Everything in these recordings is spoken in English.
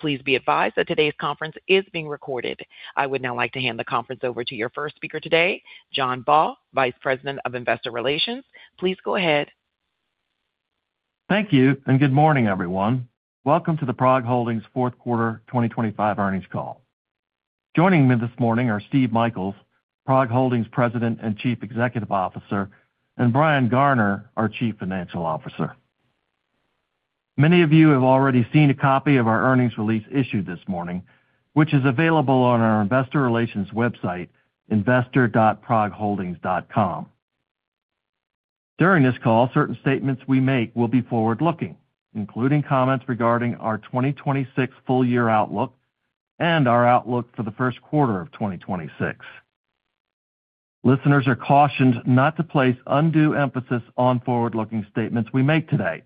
Please be advised that today's conference is being recorded. I would now like to hand the conference over to your first speaker today, John Baugh, Vice President of Investor Relations. Please go ahead. Thank you, and good morning, everyone. Welcome to the PROG Holdings fourth quarter 2025 earnings call. Joining me this morning are Steve Michaels, PROG Holdings President and Chief Executive Officer, and Brian Garner, our Chief Financial Officer. Many of you have already seen a copy of our earnings release issued this morning, which is available on our investor relations website, investor.progholdings.com. During this call, certain statements we make will be forward-looking, including comments regarding our 2026 full year outlook and our outlook for the first quarter of 2026. Listeners are cautioned not to place undue emphasis on forward-looking statements we make today,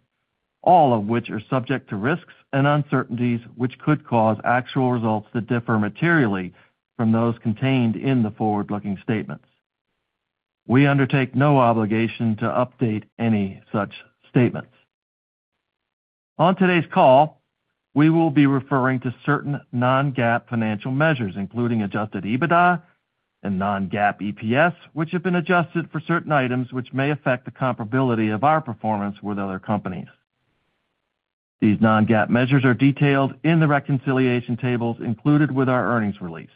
all of which are subject to risks and uncertainties, which could cause actual results to differ materially from those contained in the forward-looking statements. We undertake no obligation to update any such statements. On today's call, we will be referring to certain non-GAAP financial measures, including Adjusted EBITDA and Non-GAAP EPS, which have been adjusted for certain items which may affect the comparability of our performance with other companies. These non-GAAP measures are detailed in the reconciliation tables included with our earnings release.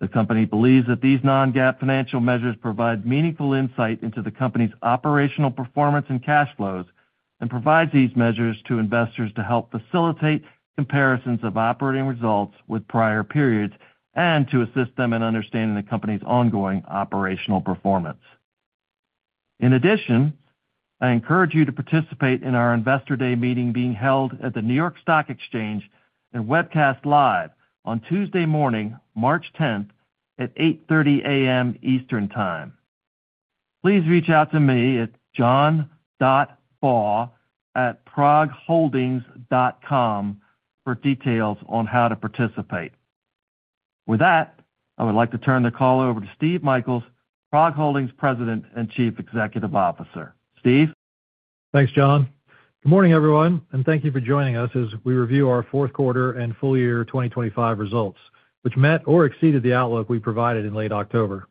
The company believes that these non-GAAP financial measures provide meaningful insight into the company's operational performance and cash flows, and provides these measures to investors to help facilitate comparisons of operating results with prior periods and to assist them in understanding the company's ongoing operational performance. In addition, I encourage you to participate in our Investor Day meeting being held at the New York Stock Exchange and webcast live on Tuesday morning, March 10, at 8:30 A.M. Eastern Time. Please reach out to me at john.baugh@progholdings.com for details on how to participate. With that, I would like to turn the call over to Steve Michaels, PROG Holdings President and Chief Executive Officer. Steve? Thanks, John. Good morning, everyone, and thank you for joining us as we review our fourth quarter and full year 2025 results, which met or exceeded the outlook we provided in late October.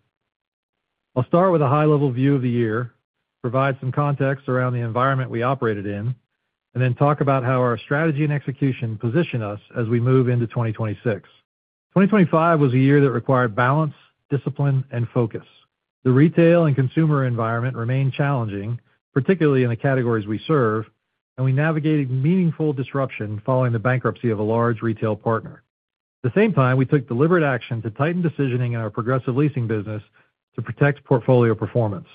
I'll start with a high-level view of the year, provide some context around the environment we operated in, and then talk about how our strategy and execution position us as we move into 2026. 2025 was a year that required balance, discipline and focus. The retail and consumer environment remained challenging, particularly in the categories we serve, and we navigated meaningful disruption following the bankruptcy of a large retail partner. At the same time, we took deliberate action to tighten decisioning in our Progressive Leasing business to protect portfolio performance.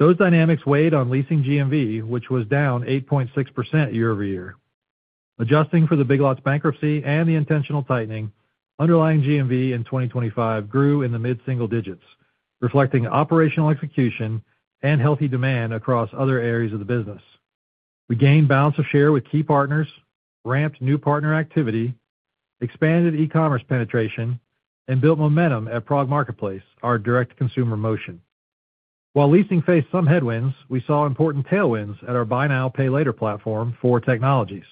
Those dynamics weighed on leasing GMV, which was down 8.6% year-over-year. Adjusting for the Big Lots bankruptcy and the intentional tightening, underlying GMV in 2025 grew in the mid-single digits, reflecting operational execution and healthy demand across other areas of the business. We gained balance of share with key partners, ramped new partner activity, expanded e-commerce penetration, and built momentum at PROG Marketplace, our direct-to-consumer motion. While leasing faced some headwinds, we saw important tailwinds at our buy now, pay later platform, Four Technologies.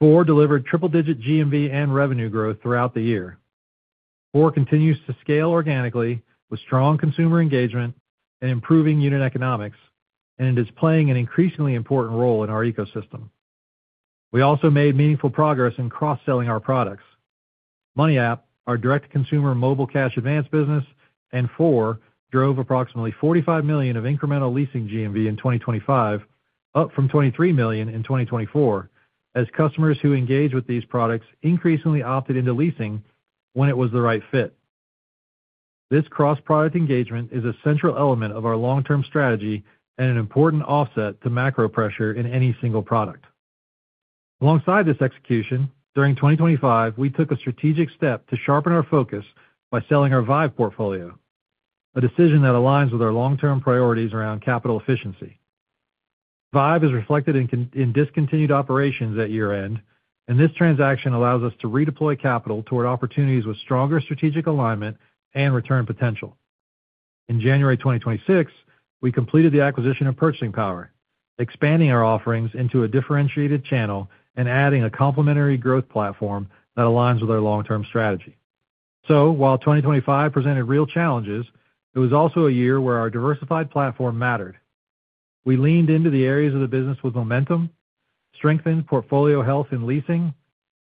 Four delivered triple-digit GMV and revenue growth throughout the year. Four continues to scale organically with strong consumer engagement and improving unit economics, and it is playing an increasingly important role in our ecosystem. We also made meaningful progress in cross-selling our products. MoneyApp, our direct-to-consumer mobile cash advance business, and Four, drove approximately $45 million of incremental leasing GMV in 2025, up from $23 million in 2024, as customers who engaged with these products increasingly opted into leasing when it was the right fit. This cross-product engagement is a central element of our long-term strategy and an important offset to macro pressure in any single product. Alongside this execution, during 2025, we took a strategic step to sharpen our focus by selling our Vive portfolio, a decision that aligns with our long-term priorities around capital efficiency. Vive is reflected in discontinued operations at year-end, and this transaction allows us to redeploy capital toward opportunities with stronger strategic alignment and return potential. In January 2026, we completed the acquisition of Purchasing Power, expanding our offerings into a differentiated channel and adding a complementary growth platform that aligns with our long-term strategy. So while 2025 presented real challenges, it was also a year where our diversified platform mattered. We leaned into the areas of the business with momentum, strengthened portfolio health and Leasing,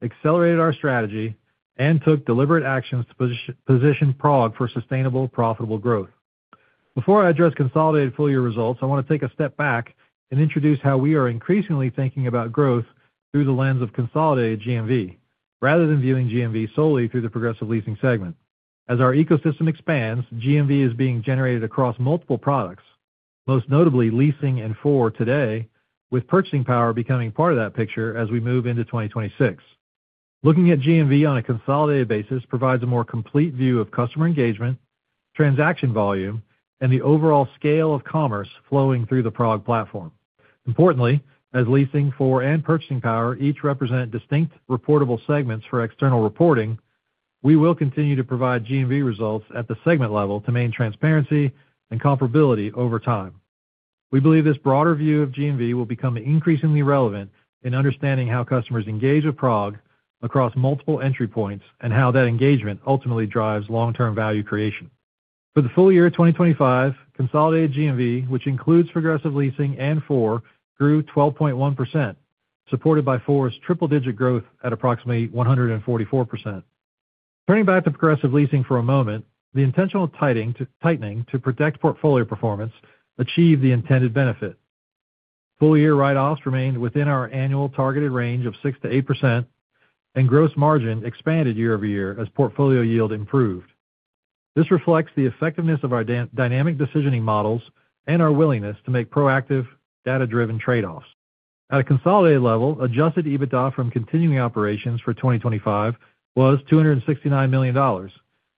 accelerated our strategy, and took deliberate actions to position PROG for sustainable, profitable growth. Before I address consolidated full-year results, I want to take a step back and introduce how we are increasingly thinking about growth through the lens of consolidated GMV, rather than viewing GMV solely through the Progressive Leasing segment. As our ecosystem expands, GMV is being generated across multiple products, most notably Leasing and Four today, with Purchasing Power becoming part of that picture as we move into 2026. Looking at GMV on a consolidated basis provides a more complete view of customer engagement, transaction volume, and the overall scale of commerce flowing through the PROG platform. Importantly, as Leasing, Four and Purchasing Power each represent distinct reportable segments for external reporting, we will continue to provide GMV results at the segment level to maintain transparency and comparability over time. We believe this broader view of GMV will become increasingly relevant in understanding how customers engage with PROG across multiple entry points, and how that engagement ultimately drives long-term value creation. For the full year of 2025, consolidated GMV, which includes Progressive Leasing and Four, grew 12.1%, supported by Four's triple-digit growth at approximately 144%. Turning back to Progressive Leasing for a moment, the intentional tightening to protect portfolio performance achieved the intended benefit. Full-year write-offs remained within our annual targeted range of 6%-8%, and gross margin expanded year-over-year as portfolio yield improved. This reflects the effectiveness of our dynamic decisioning models and our willingness to make proactive, data-driven trade-offs. At a consolidated level, adjusted EBITDA from continuing operations for 2025 was $269 million,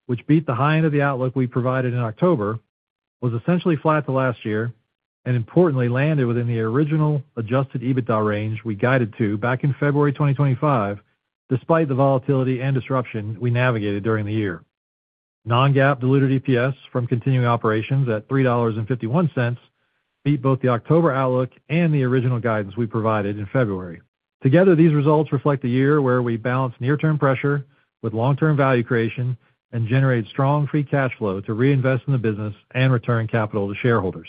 which beat the high end of the outlook we provided in October, was essentially flat to last year, and importantly, landed within the original adjusted EBITDA range we guided to back in February 2025, despite the volatility and disruption we navigated during the year. Non-GAAP diluted EPS from continuing operations at $3.51, beat both the October outlook and the original guidance we provided in February. Together, these results reflect a year where we balanced near-term pressure with long-term value creation and generated strong free cash flow to reinvest in the business and return capital to shareholders.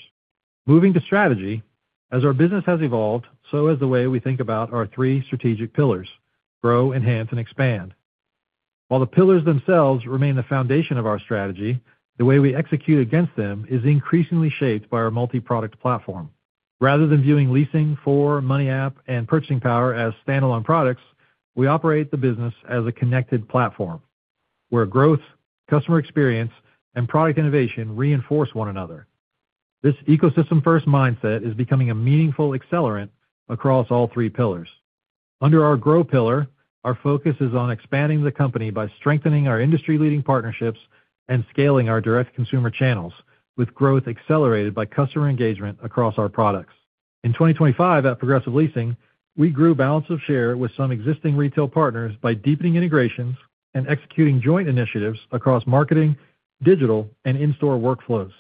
Moving to strategy, as our business has evolved, so has the way we think about our three strategic pillars: grow, enhance, and expand. While the pillars themselves remain the foundation of our strategy, the way we execute against them is increasingly shaped by our multiproduct platform. Rather than viewing leasing for MoneyApp and Purchasing Power as standalone products, we operate the business as a connected platform, where growth, customer experience, and product innovation reinforce one another. This ecosystem-first mindset is becoming a meaningful accelerant across all three pillars. Under our grow pillar, our focus is on expanding the company by strengthening our industry-leading partnerships and scaling our direct consumer channels, with growth accelerated by customer engagement across our products. In 2025, at Progressive Leasing, we grew balance of share with some existing retail partners by deepening integrations and executing joint initiatives across marketing, digital, and in-store workflows.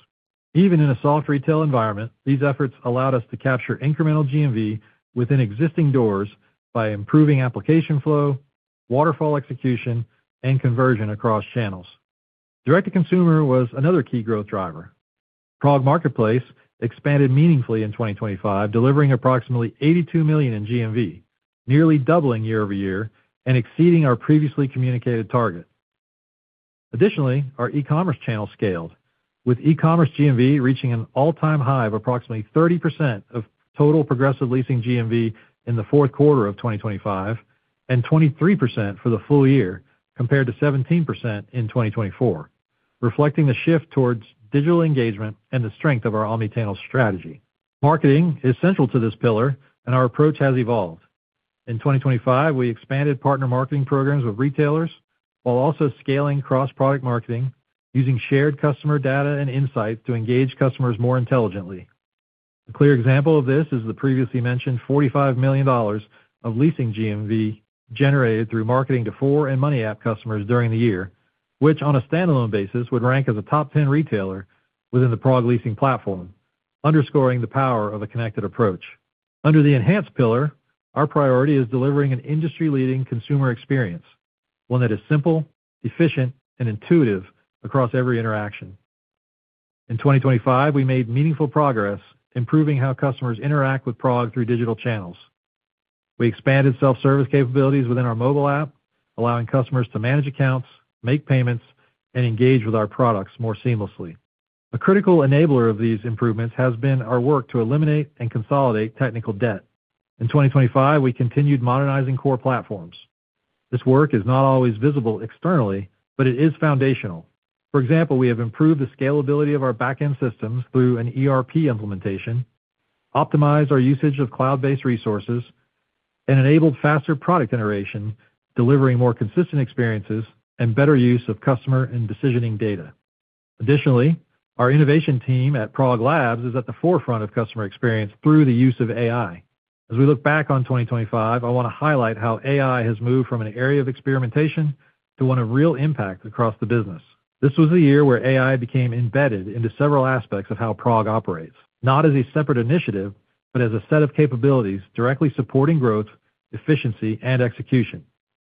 Even in a soft retail environment, these efforts allowed us to capture incremental GMV within existing doors by improving application flow, waterfall execution, and conversion across channels. Direct-to-consumer was another key growth driver. PROG Marketplace expanded meaningfully in 2025, delivering approximately $82 million in GMV, nearly doubling year-over-year and exceeding our previously communicated target. Additionally, our e-commerce channel scaled, with e-commerce GMV reaching an all-time high of approximately 30% of total Progressive Leasing GMV in the fourth quarter of 2025, and 23% for the full year, compared to 17% in 2024, reflecting the shift towards digital engagement and the strength of our omni-channel strategy. Marketing is central to this pillar, and our approach has evolved. In 2025, we expanded partner marketing programs with retailers, while also scaling cross-product marketing, using shared customer data and insight to engage customers more intelligently. A clear example of this is the previously mentioned $45 million of leasing GMV, generated through marketing to Four and MoneyApp customers during the year, which, on a standalone basis, would rank as a top ten retailer within the PROG Leasing platform, underscoring the power of a connected approach. Under the enhanced pillar, our priority is delivering an industry-leading consumer experience, one that is simple, efficient, and intuitive across every interaction. In 2025, we made meaningful progress, improving how customers interact with PROG through digital channels. We expanded self-service capabilities within our mobile app, allowing customers to manage accounts, make payments, and engage with our products more seamlessly. A critical enabler of these improvements has been our work to eliminate and consolidate technical debt. In 2025, we continued modernizing core platforms. This work is not always visible externally, but it is foundational. For example, we have improved the scalability of our back-end systems through an ERP implementation, optimized our usage of cloud-based resources, and enabled faster product iteration, delivering more consistent experiences and better use of customer and decisioning data. Additionally, our innovation team at PROG Labs is at the forefront of customer experience through the use of AI. As we look back on 2025, I want to highlight how AI has moved from an area of experimentation to one of real impact across the business. This was a year where AI became embedded into several aspects of how PROG operates, not as a separate initiative, but as a set of capabilities directly supporting growth, efficiency, and execution.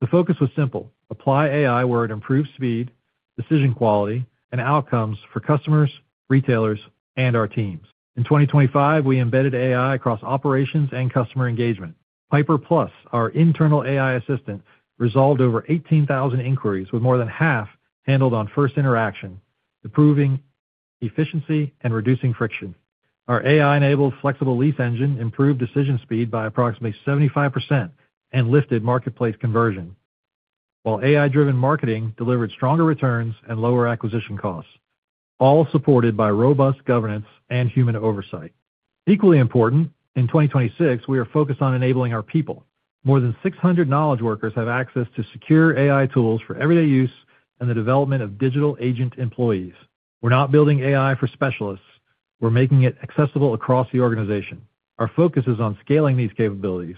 The focus was simple, apply AI where it improves speed, decision quality, and outcomes for customers, retailers, and our teams. In 2025, we embedded AI across operations and customer engagement. Piper Plus, our internal AI assistant, resolved over 18,000 inquiries, with more than half handled on first interaction, improving efficiency and reducing friction. Our AI-enabled flexible lease engine improved decision speed by approximately 75% and lifted marketplace conversion, while AI-driven marketing delivered stronger returns and lower acquisition costs, all supported by robust governance and human oversight. Equally important, in 2026, we are focused on enabling our people. More than 600 knowledge workers have access to secure AI tools for everyday use and the development of digital agent employees. We're not building AI for specialists; we're making it accessible across the organization. Our focus is on scaling these capabilities,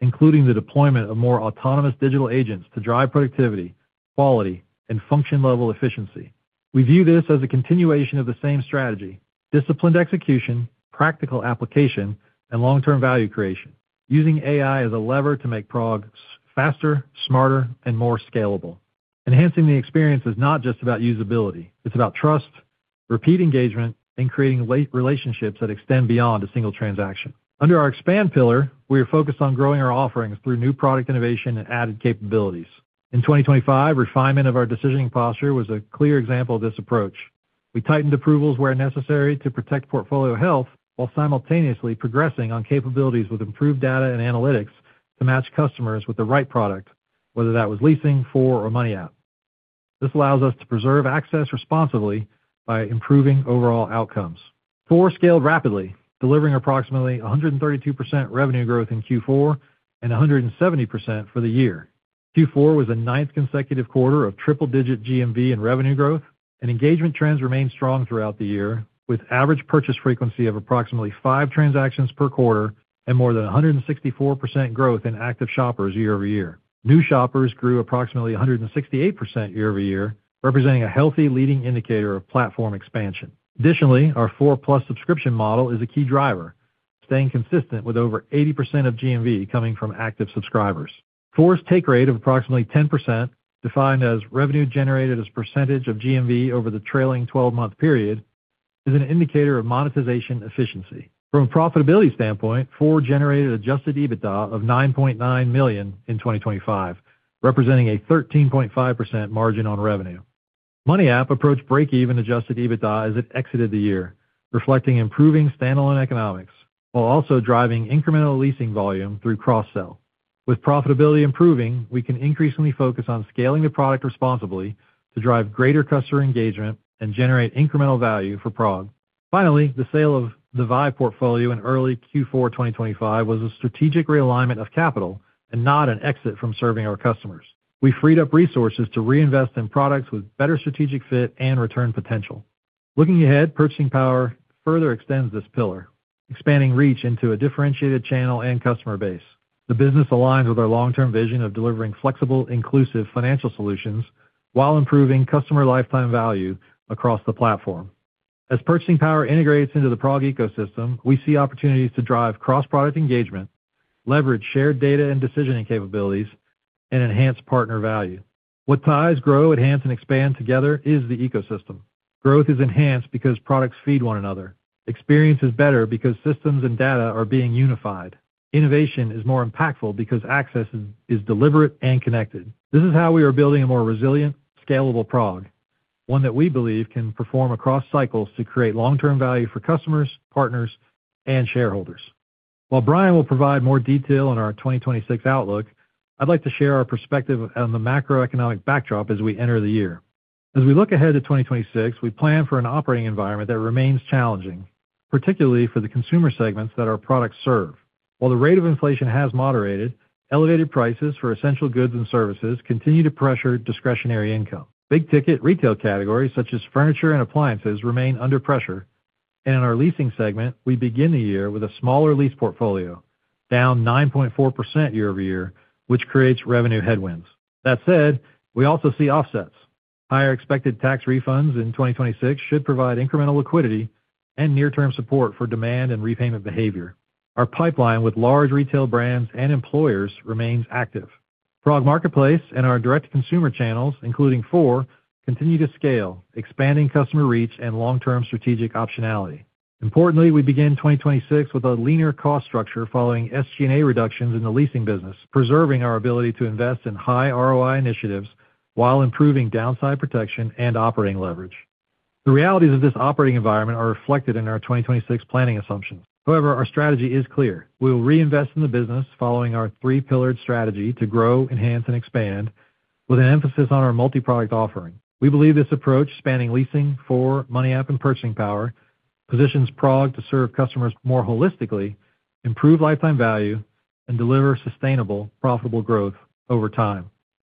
including the deployment of more autonomous digital agents to drive productivity, quality, and function-level efficiency. We view this as a continuation of the same strategy, disciplined execution, practical application, and long-term value creation, using AI as a lever to make PROG faster, smarter, and more scalable. Enhancing the experience is not just about usability. It's about trust, repeat engagement, and creating re-relationships that extend beyond a single transaction. Under our expand pillar, we are focused on growing our offerings through new product innovation and added capabilities. In 2025, refinement of our decisioning posture was a clear example of this approach. We tightened approvals where necessary to protect portfolio health, while simultaneously progressing on capabilities with improved data and analytics to match customers with the right product, whether that was leasing, Four, or MoneyApp. This allows us to preserve access responsibly by improving overall outcomes. Four scaled rapidly, delivering approximately 132% revenue growth in Q4 and 170% for the year. Q4 was the ninth consecutive quarter of triple-digit GMV and revenue growth, and engagement trends remained strong throughout the year, with average purchase frequency of approximately five transactions per quarter and more than 164% growth in active shoppers year-over-year. New shoppers grew approximately 168% year-over-year, representing a healthy leading indicator of platform expansion. Additionally, our Four+ subscription model is a key driver, staying consistent with over 80% of GMV coming from active subscribers. Four's take rate of approximately 10%, defined as revenue generated as a percentage of GMV over the trailing twelve-month period, is an indicator of monetization efficiency. From a profitability standpoint, Four generated adjusted EBITDA of $9.9 million in 2025, representing a 13.5% margin on revenue. MoneyApp approached break-even Adjusted EBITDA as it exited the year, reflecting improving standalone economics while also driving incremental leasing volume through cross-sell. With profitability improving, we can increasingly focus on scaling the product responsibly to drive greater customer engagement and generate incremental value for PROG. Finally, the sale of the Vive portfolio in early Q4 2025 was a strategic realignment of capital and not an exit from serving our customers. We freed up resources to reinvest in products with better strategic fit and return potential. Looking ahead, Purchasing Power further extends this pillar, expanding reach into a differentiated channel and customer base. The business aligns with our long-term vision of delivering flexible, inclusive financial solutions while improving customer lifetime value across the platform. As Purchasing Power integrates into the PROG ecosystem, we see opportunities to drive cross-product engagement, leverage shared data and decisioning capabilities, and enhance partner value. What ties, grow, enhance, and expand together is the ecosystem. Growth is enhanced because products feed one another. Experience is better because systems and data are being unified. Innovation is more impactful because access is deliberate and connected. This is how we are building a more resilient, scalable PROG, one that we believe can perform across cycles to create long-term value for customers, partners, and shareholders. While Brian will provide more detail on our 2026 outlook, I'd like to share our perspective on the macroeconomic backdrop as we enter the year. As we look ahead to 2026, we plan for an operating environment that remains challenging, particularly for the consumer segments that our products serve. While the rate of inflation has moderated, elevated prices for essential goods and services continue to pressure discretionary income. Big-ticket retail categories, such as furniture and appliances, remain under pressure, and in our leasing segment, we begin the year with a smaller lease portfolio, down 9.4% year-over-year, which creates revenue headwinds. That said, we also see offsets. Higher expected tax refunds in 2026 should provide incremental liquidity and near-term support for demand and repayment behavior. Our pipeline with large retail brands and employers remains active. PROG Marketplace and our direct-to-consumer channels, including Four, continue to scale, expanding customer reach and long-term strategic optionality. Importantly, we begin 2026 with a leaner cost structure following SG&A reductions in the leasing business, preserving our ability to invest in high ROI initiatives while improving downside protection and operating leverage. The realities of this operating environment are reflected in our 2026 planning assumptions. However, our strategy is clear. We will reinvest in the business following our three-pillared strategy to grow, enhance, and expand, with an emphasis on our multiproduct offering. We believe this approach, spanning leasing, Four, MoneyApp, and Purchasing Power, positions PROG to serve customers more holistically, improve lifetime value, and deliver sustainable, profitable growth over time.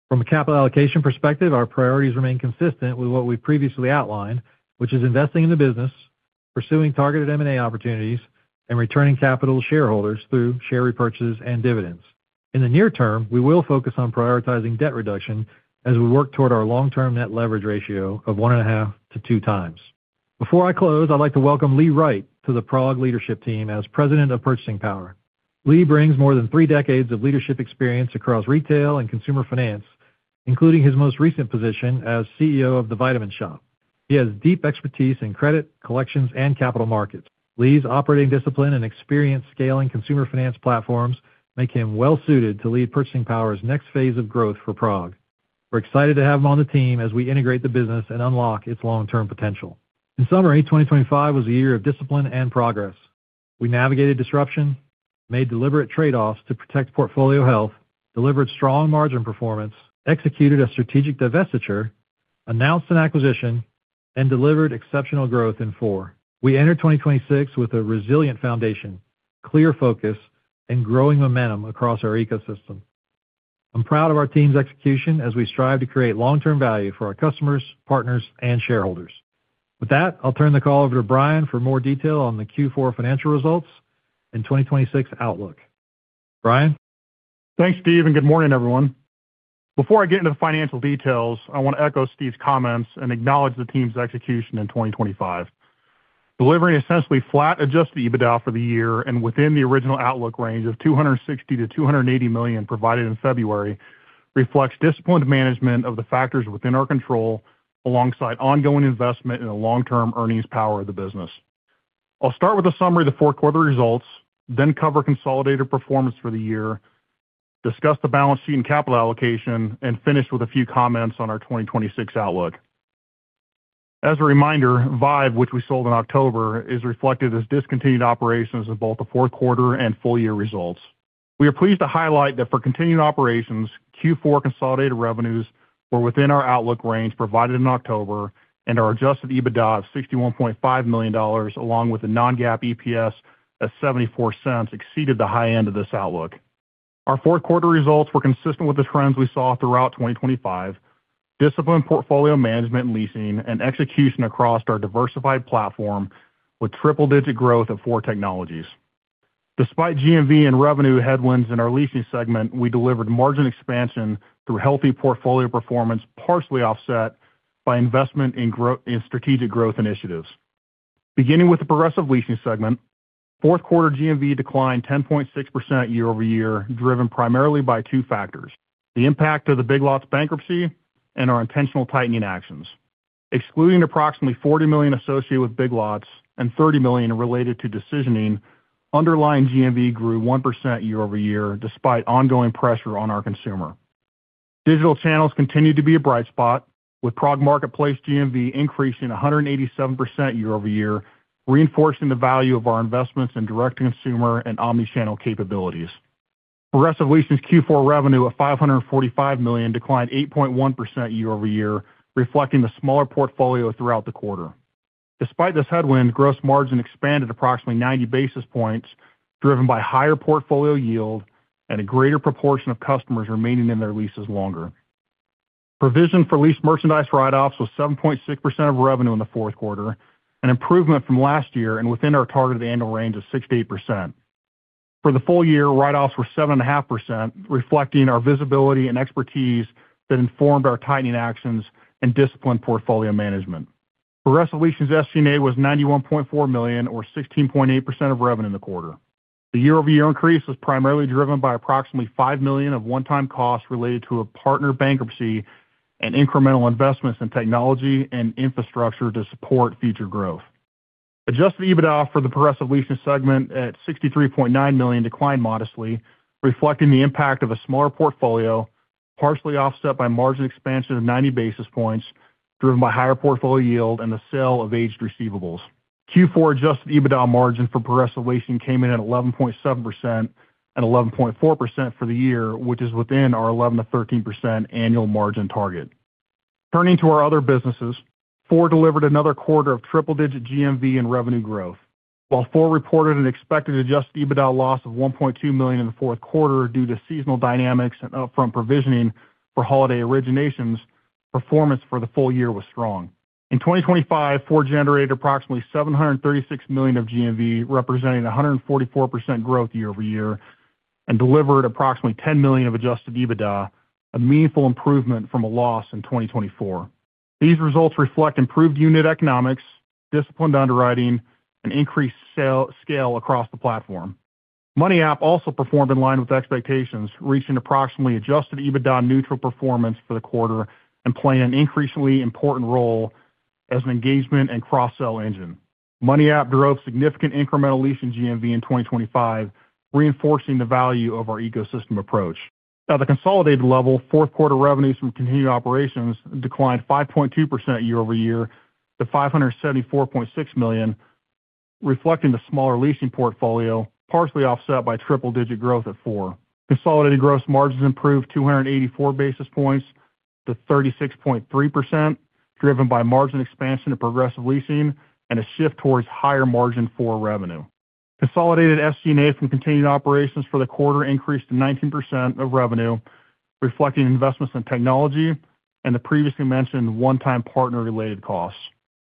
From a capital allocation perspective, our priorities remain consistent with what we previously outlined, which is investing in the business, pursuing targeted M&A opportunities, and returning capital to shareholders through share repurchases and dividends. In the near term, we will focus on prioritizing debt reduction as we work toward our long-term net leverage ratio of 1.5-2 times. Before I close, I'd like to welcome Lee Wright to the PROG leadership team as President of Purchasing Power. Lee brings more than three decades of leadership experience across retail and consumer finance, including his most recent position as CEO of The Vitamin Shoppe. He has deep expertise in credit, collections, and capital markets. Lee's operating discipline and experience scaling consumer finance platforms make him well suited to lead Purchasing Power's next phase of growth for PROG. We're excited to have him on the team as we integrate the business and unlock its long-term potential. In summary, 2025 was a year of discipline and progress. We navigated disruption, made deliberate trade-offs to protect portfolio health, delivered strong margin performance, executed a strategic divestiture, announced an acquisition, and delivered exceptional growth in Four. We enter 2026 with a resilient foundation, clear focus, and growing momentum across our ecosystem. I'm proud of our team's execution as we strive to create long-term value for our customers, partners, and shareholders. With that, I'll turn the call over to Brian for more detail on the Q4 financial results and 2026 outlook. Brian? Thanks, Steve, and good morning, everyone. Before I get into the financial details, I want to echo Steve's comments and acknowledge the team's execution in 2025. Delivering essentially flat Adjusted EBITDA for the year and within the original outlook range of $260 million-$280 million provided in February reflects disciplined management of the factors within our control, alongside ongoing investment in the long-term earnings power of the business. I'll start with a summary of the fourth quarter results, then cover consolidated performance for the year, discuss the balance sheet and capital allocation, and finish with a few comments on our 2026 outlook. As a reminder, Vive, which we sold in October, is reflected as discontinued operations in both the fourth quarter and full year results. We are pleased to highlight that for continued operations, Q4 consolidated revenues were within our outlook range provided in October, and our Adjusted EBITDA of $61.5 million, along with the non-GAAP EPS at $0.74, exceeded the high end of this outlook. Our fourth quarter results were consistent with the trends we saw throughout 2025. Disciplined portfolio management and leasing and execution across our diversified platform with triple-digit growth of Four Technologies. Despite GMV and revenue headwinds in our leasing segment, we delivered margin expansion through healthy portfolio performance, partially offset by investment in in strategic growth initiatives. Beginning with the Progressive Leasing segment, fourth quarter GMV declined 10.6% year-over-year, driven primarily by two factors: the impact of the Big Lots bankruptcy and our intentional tightening actions. Excluding approximately $40 million associated with Big Lots and $30 million related to decisioning, underlying GMV grew 1% year-over-year, despite ongoing pressure on our consumer. Digital channels continued to be a bright spot, with PROG Marketplace GMV increasing 187% year-over-year, reinforcing the value of our investments in direct-to-consumer and omni-channel capabilities. Progressive Leasing's Q4 revenue of $545 million declined 8.1% year-over-year, reflecting the smaller portfolio throughout the quarter. Despite this headwind, gross margin expanded approximately 90 basis points, driven by higher portfolio yield and a greater proportion of customers remaining in their leases longer. Provision for lease merchandise write-offs was 7.6% of revenue in the fourth quarter, an improvement from last year and within our targeted annual range of 6%-8%. For the full year, write-offs were 7.5%, reflecting our visibility and expertise that informed our tightening actions and disciplined portfolio management. Progressive Leasing's SG&A was $91.4 million, or 16.8% of revenue in the quarter. The year-over-year increase was primarily driven by approximately $5 million of one-time costs related to a partner bankruptcy and incremental investments in technology and infrastructure to support future growth. Adjusted EBITDA for the Progressive Leasing segment at $63.9 million declined modestly, reflecting the impact of a smaller portfolio, partially offset by margin expansion of 90 basis points, driven by higher portfolio yield and the sale of aged receivables. Q4 adjusted EBITDA margin for Progressive Leasing came in at 11.7% and 11.4% for the year, which is within our 11%-13% annual margin target. Turning to our other businesses, Four delivered another quarter of triple-digit GMV and revenue growth. While Four reported an expected adjusted EBITDA loss of $1.2 million in the fourth quarter due to seasonal dynamics and upfront provisioning for holiday originations, performance for the full year was strong. In 2025, Four generated approximately 736 million of GMV, representing 144% growth year over year, and delivered approximately $10 million of adjusted EBITDA, a meaningful improvement from a loss in 2024. These results reflect improved unit economics, disciplined underwriting, and increased scale across the platform. MoneyApp also performed in line with expectations, reaching approximately adjusted EBITDA neutral performance for the quarter and playing an increasingly important role as an engagement and cross-sell engine. MoneyApp drove significant incremental leasing GMV in 2025, reinforcing the value of our ecosystem approach. At the consolidated level, fourth quarter revenues from continued operations declined 5.2% year-over-year to $574.6 million, reflecting the smaller leasing portfolio, partially offset by triple-digit growth at Four. Consolidated gross margins improved 284 basis points to 36.3%, driven by margin expansion of Progressive Leasing and a shift towards higher margin for revenue. Consolidated SG&A from continued operations for the quarter increased to 19% of revenue, reflecting investments in technology and the previously mentioned one-time partner-related costs.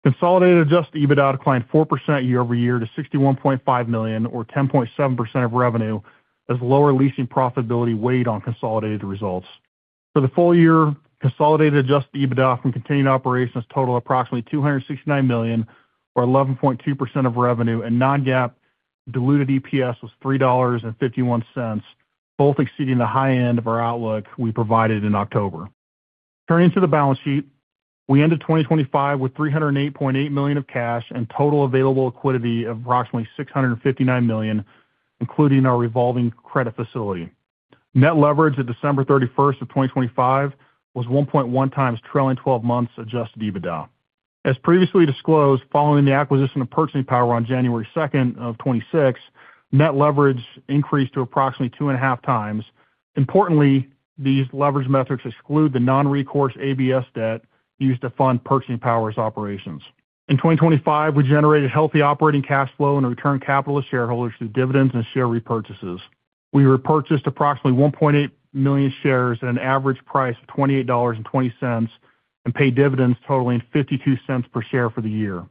Consolidated Adjusted EBITDA declined 4% year-over-year to $61.5 million, or 10.7% of revenue, as lower leasing profitability weighed on consolidated results. For the full year, consolidated adjusted EBITDA from continuing operations totaled approximately $269 million, or 11.2% of revenue, and non-GAAP diluted EPS was $3.51, both exceeding the high end of our outlook we provided in October. Turning to the balance sheet, we ended 2025 with $308.8 million of cash and total available liquidity of approximately $659 million, including our revolving credit facility. Net leverage at December 31, 2025 was 1.1 times trailing twelve months adjusted EBITDA. As previously disclosed, following the acquisition of Purchasing Power on January 2, 2026, net leverage increased to approximately 2.5 times. Importantly, these leverage metrics exclude the non-recourse ABS debt used to fund Purchasing Power's operations. In 2025, we generated healthy operating cash flow and returned capital to shareholders through dividends and share repurchases. We repurchased approximately $1.8 million shares at an average price of $28.20 and paid dividends totaling $0.52 per share for the year.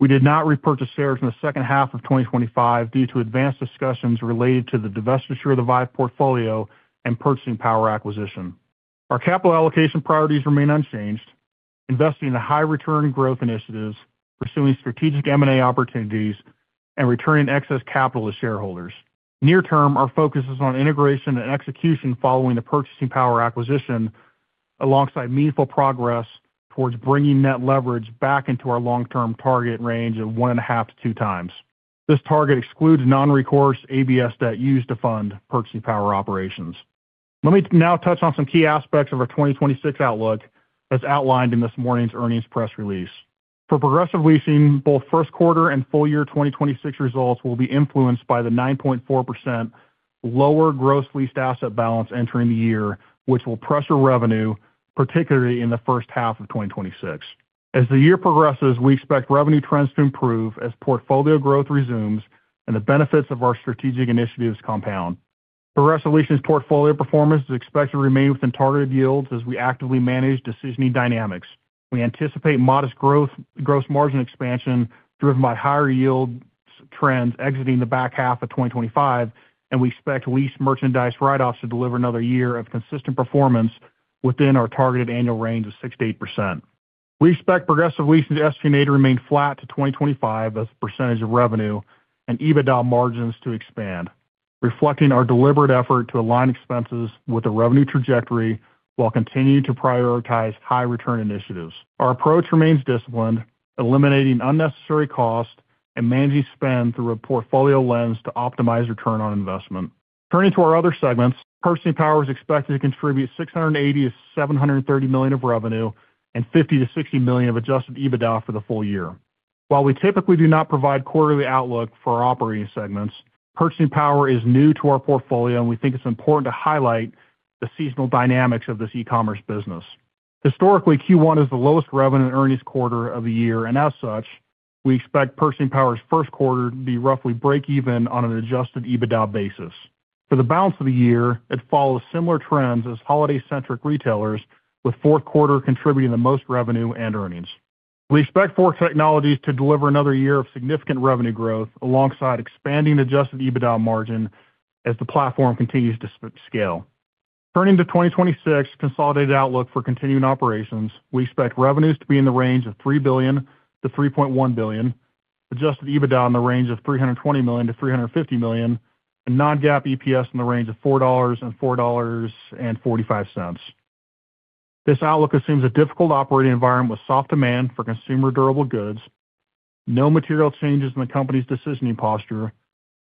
We did not repurchase shares in the H2 of 2025 due to advanced discussions related to the divestiture of the Vive portfolio and Purchasing Power acquisition. Our capital allocation priorities remain unchanged, investing in high return growth initiatives, pursuing strategic M&A opportunities, and returning excess capital to shareholders. Near term, our focus is on integration and execution following the Purchasing Power acquisition, alongside meaningful progress towards bringing net leverage back into our long-term target range of 1.5x-2 times. This target excludes non-recourse ABS debt used to fund Purchasing Power operations. Let me now touch on some key aspects of our 2026 outlook as outlined in this morning's earnings press release. For Progressive Leasing, both first quarter and full year 2026 results will be influenced by the 9.4% lower gross leased asset balance entering the year, which will pressure revenue, particularly in the H1 of 2026. As the year progresses, we expect revenue trends to improve as portfolio growth resumes and the benefits of our strategic initiatives compound. Progressive Leasing's portfolio performance is expected to remain within targeted yields as we actively manage decisioning dynamics. We anticipate modest growth, gross margin expansion driven by higher yield trends exiting the back half of 2025, and we expect leased merchandise write-offs to deliver another year of consistent performance within our targeted annual range of 6%-8%. We expect Progressive Leasing's SG&A to remain flat to 2025 as a percentage of revenue and EBITDA margins to expand, reflecting our deliberate effort to align expenses with the revenue trajectory while continuing to prioritize high return initiatives. Our approach remains disciplined, eliminating unnecessary costs and managing spend through a portfolio lens to optimize return on investment. Turning to our other segments, Purchasing Power is expected to contribute $680 million-$730 million of revenue and $50 million-$60 million of adjusted EBITDA for the full year. While we typically do not provide quarterly outlook for our operating segments, Purchasing Power is new to our portfolio, and we think it's important to highlight the seasonal dynamics of this e-commerce business. Historically, Q1 is the lowest revenue and earnings quarter of the year, and as such, we expect Purchasing Power's first quarter to be roughly breakeven on an Adjusted EBITDA basis. For the balance of the year, it follows similar trends as holiday-centric retailers, with fourth quarter contributing the most revenue and earnings. We expect Four Technologies to deliver another year of significant revenue growth alongside expanding Adjusted EBITDA margin as the platform continues to scale. Turning to 2026, consolidated outlook for continuing operations, we expect revenues to be in the range of $3 billion-$3.1 billion, Adjusted EBITDA in the range of $320 million-$350 million, and non-GAAP EPS in the range of $4-$4.45. This outlook assumes a difficult operating environment with soft demand for consumer durable goods, no material changes in the company's decisioning posture,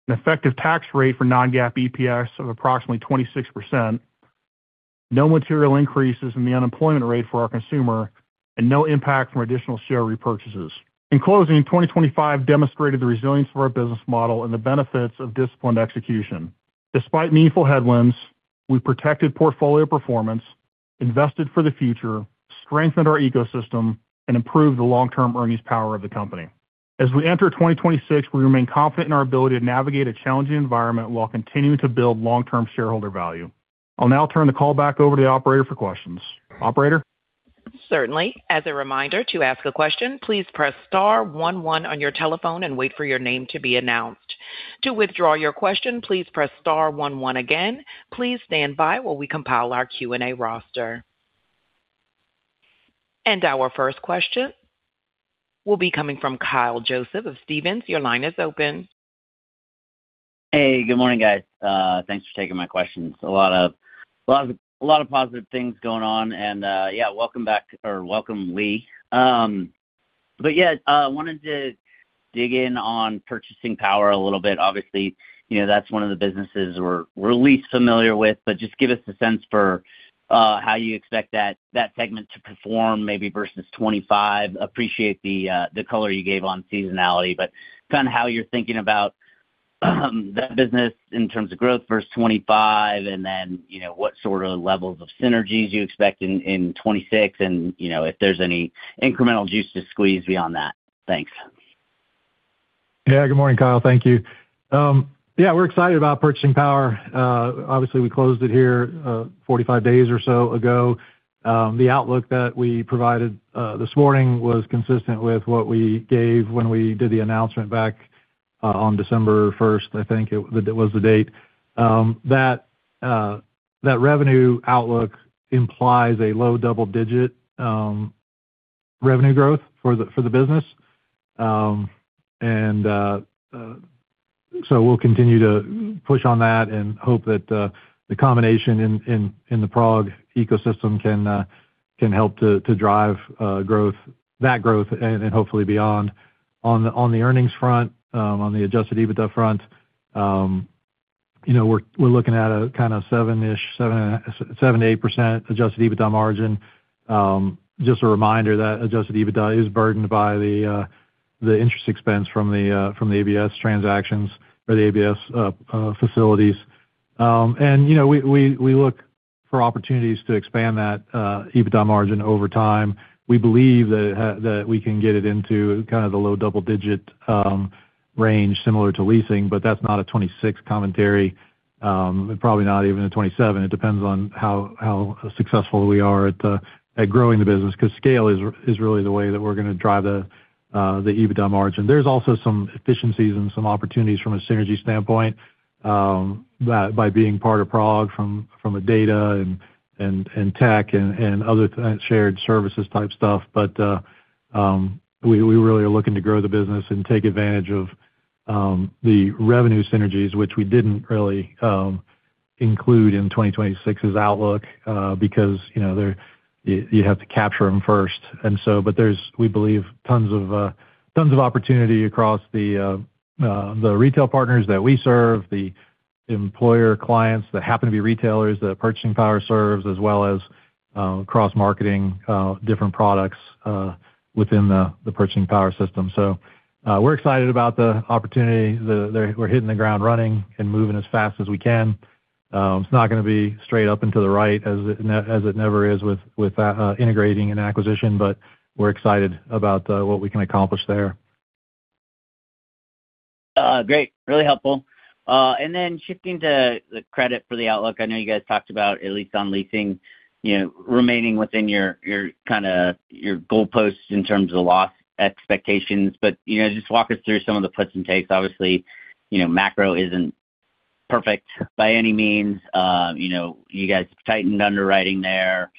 an effective tax rate for non-GAAP EPS of approximately 26%, no material increases in the unemployment rate for our consumer, and no impact from additional share repurchases. In closing, 2025 demonstrated the resilience of our business model and the benefits of disciplined execution. Despite meaningful headwinds, we protected portfolio performance, invested for the future, strengthened our ecosystem, and improved the long-term earnings power of the company. As we enter 2026, we remain confident in our ability to navigate a challenging environment while continuing to build long-term shareholder value. I'll now turn the call back over to the operator for questions. Operator? Certainly. As a reminder, to ask a question, please press star one one on your telephone and wait for your name to be announced. To withdraw your question, please press star one one again. Please stand by while we compile our Q&A roster. Our first question will be coming from Kyle Joseph of Stephens. Your line is open. Hey, good morning, guys. Thanks for taking my questions. A lot of positive things going on and, yeah, welcome back, or welcome, Lee. But yeah, wanted to dig in on Purchasing Power a little bit. Obviously, you know, that's one of the businesses we're least familiar with, but just give us a sense for how you expect that segment to perform, maybe versus 2025. Appreciate the color you gave on seasonality, but kind of how you're thinking about that business in terms of growth versus 2025, and then, you know, what sort of levels of synergies you expect in 2026, and, you know, if there's any incremental juice to squeeze beyond that. Thanks. Yeah. Good morning, Kyle. Thank you. Yeah, we're excited about Purchasing Power. Obviously, we closed it here, 45 days or so ago. The outlook that we provided this morning was consistent with what we gave when we did the announcement back on December 1, I think it was the date. That revenue outlook implies a low double-digit revenue growth for the business. And so we'll continue to push on that and hope that the combination in the PROG ecosystem can help to drive that growth and hopefully beyond. On the earnings front, on the adjusted EBITDA front, you know, we're looking at a kind of seven-ish, 7%-8% adjusted EBITDA margin. Just a reminder that Adjusted EBITDA is burdened by the interest expense from the ABS transactions or the ABS facilities. And, you know, we look for opportunities to expand that EBITDA margin over time. We believe that we can get it into kind of the low double digit range, similar to leasing, but that's not a 26 commentary. And probably not even in 2027. It depends on how successful we are at growing the business, because scale is really the way that we're going to drive the EBITDA margin. There's also some efficiencies and some opportunities from a synergy standpoint that by being part of PROG from a data and tech and other shared services type stuff. But we really are looking to grow the business and take advantage of the revenue synergies, which we didn't really include in 2026's outlook, because, you know, you have to capture them first. There's, we believe, tons of, tons of opportunity across the retail partners that we serve, the employer clients that happen to be retailers, that Purchasing Power serves, as well as cross-marketing different products within the Purchasing Power system. We're excited about the opportunity. We're hitting the ground running and moving as fast as we can. It's not going to be straight up and to the right, as it never is with integrating an acquisition, but we're excited about what we can accomplish there. Great, really helpful. And then shifting to the credit for the outlook. I know you guys talked about, at least on leasing, you know, remaining within your, your kind of, your goalposts in terms of the loss expectations. But, you know, just walk us through some of the puts and takes. Obviously, you know, macro isn't perfect by any means. You know, you guys tightened underwriting there.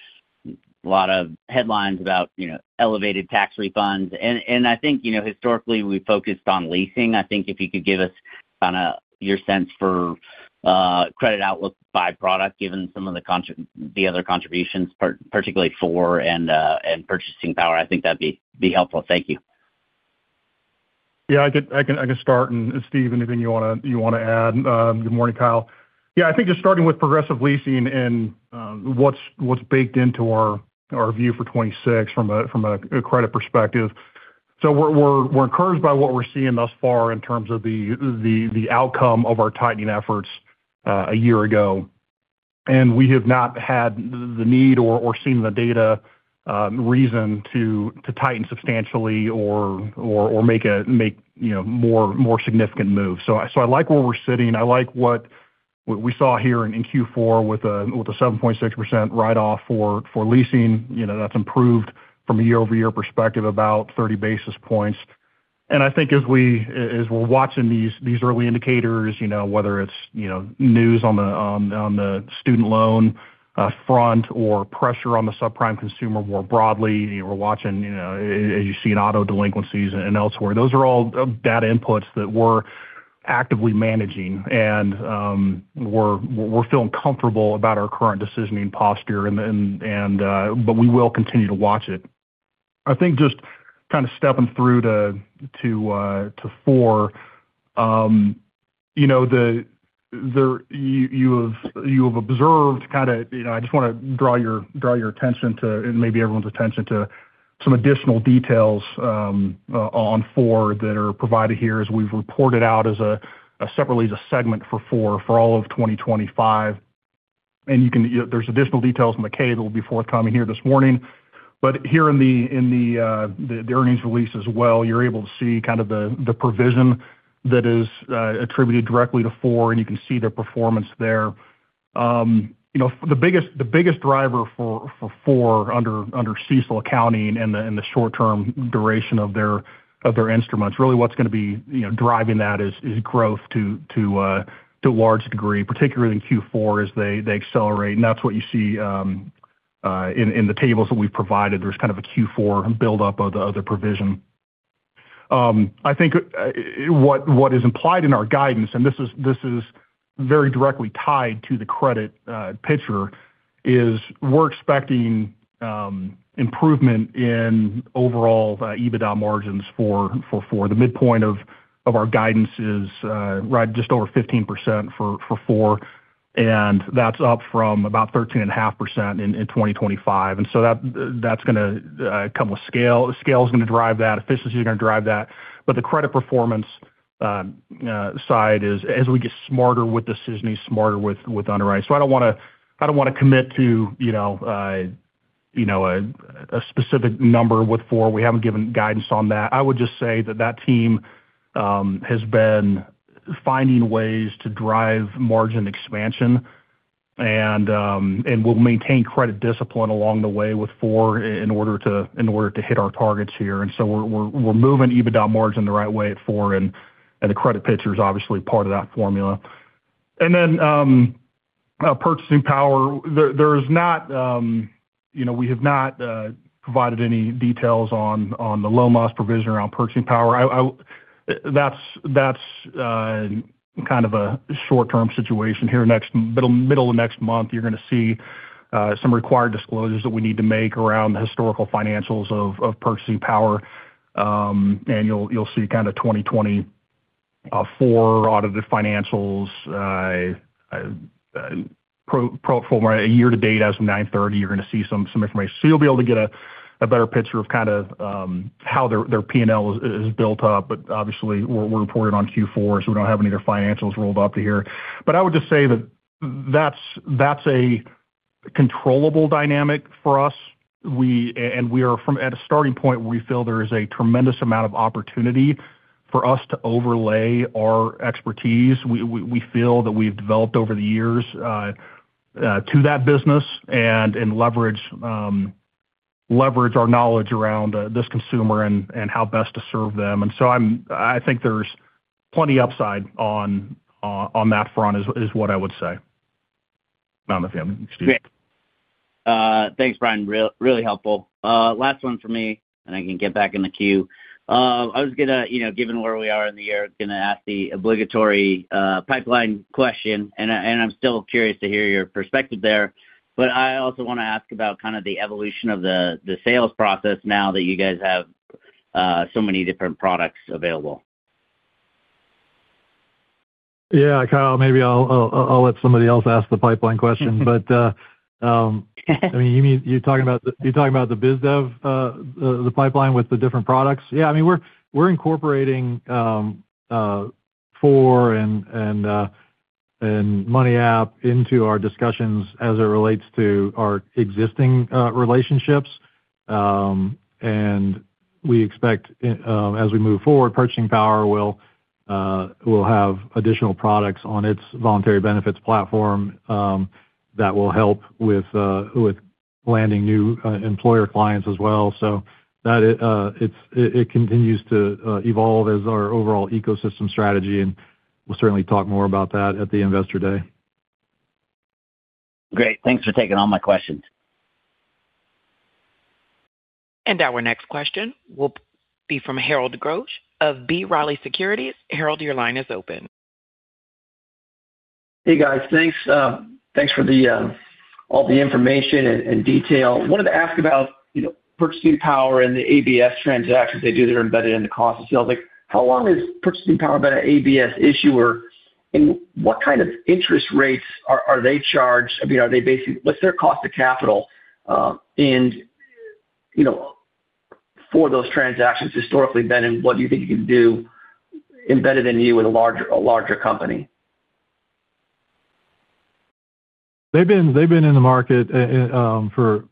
A lot of headlines about, you know, elevated tax refunds. And, and I think, you know, historically, we focused on leasing. I think if you could give us kind of your sense for, credit outlook by product, given some of the the other contributions, particularly Four and, and Purchasing Power, I think that'd be, be helpful. Thank you. Yeah, I can start, and Steve, anything you want to add? Good morning, Kyle. Yeah, I think just starting with Progressive Leasing and what's baked into our view for 2026 from a credit perspective. So we're encouraged by what we're seeing thus far in terms of the outcome of our tightening efforts a year ago. And we have not had the need or seen the data reason to tighten substantially or make, you know, more significant moves. So I like where we're sitting. I like what we saw here in Q4 with a 7.6% write-off for leasing. You know, that's improved from a year-over-year perspective, about 30 basis points. And I think as we're watching these early indicators, you know, whether it's, you know, news on the student loan front or pressure on the subprime consumer more broadly, we're watching, you know, as you see in auto delinquencies and elsewhere. Those are all data inputs that we're actively managing, and we're feeling comfortable about our current decisioning posture and. But we will continue to watch it. I think just kind of stepping through to Four, you know, you have observed kind of, you know, I just want to draw your attention to, and maybe everyone's attention to some additional details on Four that are provided here, as we've reported out as a separately, as a segment for Four, for all of 2025. You can, there's additional details in the K that will be forthcoming here this morning. But here in the earnings release as well, you're able to see kind of the provision that is attributed directly to Four, and you can see their performance there. You know, the biggest driver for Four under CECL accounting and the short-term duration of their instruments, really what's going to be driving that is growth to a large degree, particularly in Q4, as they accelerate. And that's what you see in the tables that we've provided. There's kind of a Q4 buildup of the provision. I think what is implied in our guidance, and this is very directly tied to the credit picture, is we're expecting improvement in overall EBITDA margins for Four. The midpoint of our guidance is right just over 15% for Four, and that's up from about 13.5% in 2025. That's gonna come with scale. Scale is going to drive that, efficiency is going to drive that. The credit performance side is as we get smarter with decisioning, smarter with underwriting. I don't want to commit to, you know, a specific number with Four. We haven't given guidance on that. I would just say that that team has been finding ways to drive margin expansion, and we'll maintain credit discipline along the way with Four in order to hit our targets here. We're moving EBITDA margin the right way at Four, and the credit picture is obviously part of that formula. Then, Purchasing Power, there is not, you know, we have not provided any details on the loss provision around Purchasing Power. That's, that's kind of a short-term situation. Here next, middle of next month, you're going to see some required disclosures that we need to make around the historical financials of Purchasing Power. And you'll see kind of 2024 audited financials, pro forma, year-to-date as of 9/30. You're going to see some information. So you'll be able to get a better picture of kind of how their P&L is built up. But obviously, we're reporting on Q4, so we don't have any of their financials rolled up to here. But I would just say that that's a. Controllable dynamic for us. We are from a starting point where we feel there is a tremendous amount of opportunity for us to overlay our expertise. We feel that we've developed over the years to that business and leverage our knowledge around this consumer and how best to serve them. I think there's plenty upside on that front, is what I would say. I don't know if you have anything to say. Great. Thanks, Brian. Really helpful. Last one for me, and I can get back in the queue. I was gonna, you know, given where we are in the year, gonna ask the obligatory pipeline question, and I'm still curious to hear your perspective there. But I also wanna ask about kind of the evolution of the sales process now that you guys have so many different products available. Yeah, Kyle, maybe I'll let somebody else ask the pipeline question. But, I mean, you're talking about the biz dev, the pipeline with the different products? Yeah. I mean, we're incorporating Four and MoneyApp into our discussions as it relates to our existing relationships. And we expect, as we move forward, Purchasing Power will have additional products on its voluntary benefits platform, that will help with landing new employer clients as well. So that it continues to evolve as our overall ecosystem strategy, and we'll certainly talk more about that at the Investor Day. Great. Thanks for taking all my questions. Our next question will be from Harold Goetsch of B. Riley Securities. Harold, your line is open. Hey, guys. Thanks, thanks for all the information and detail. Wanted to ask about, you know, Purchasing Power and the ABS transactions they do that are embedded in the cost of sales. Like, how long has Purchasing Power been an ABS issuer, and what kind of interest rates are they charged? I mean, are they basically, what's their cost of capital, and you know, for those transactions historically then, and what do you think you can do embedded in you with a larger company? They've been, they've been in the market, for,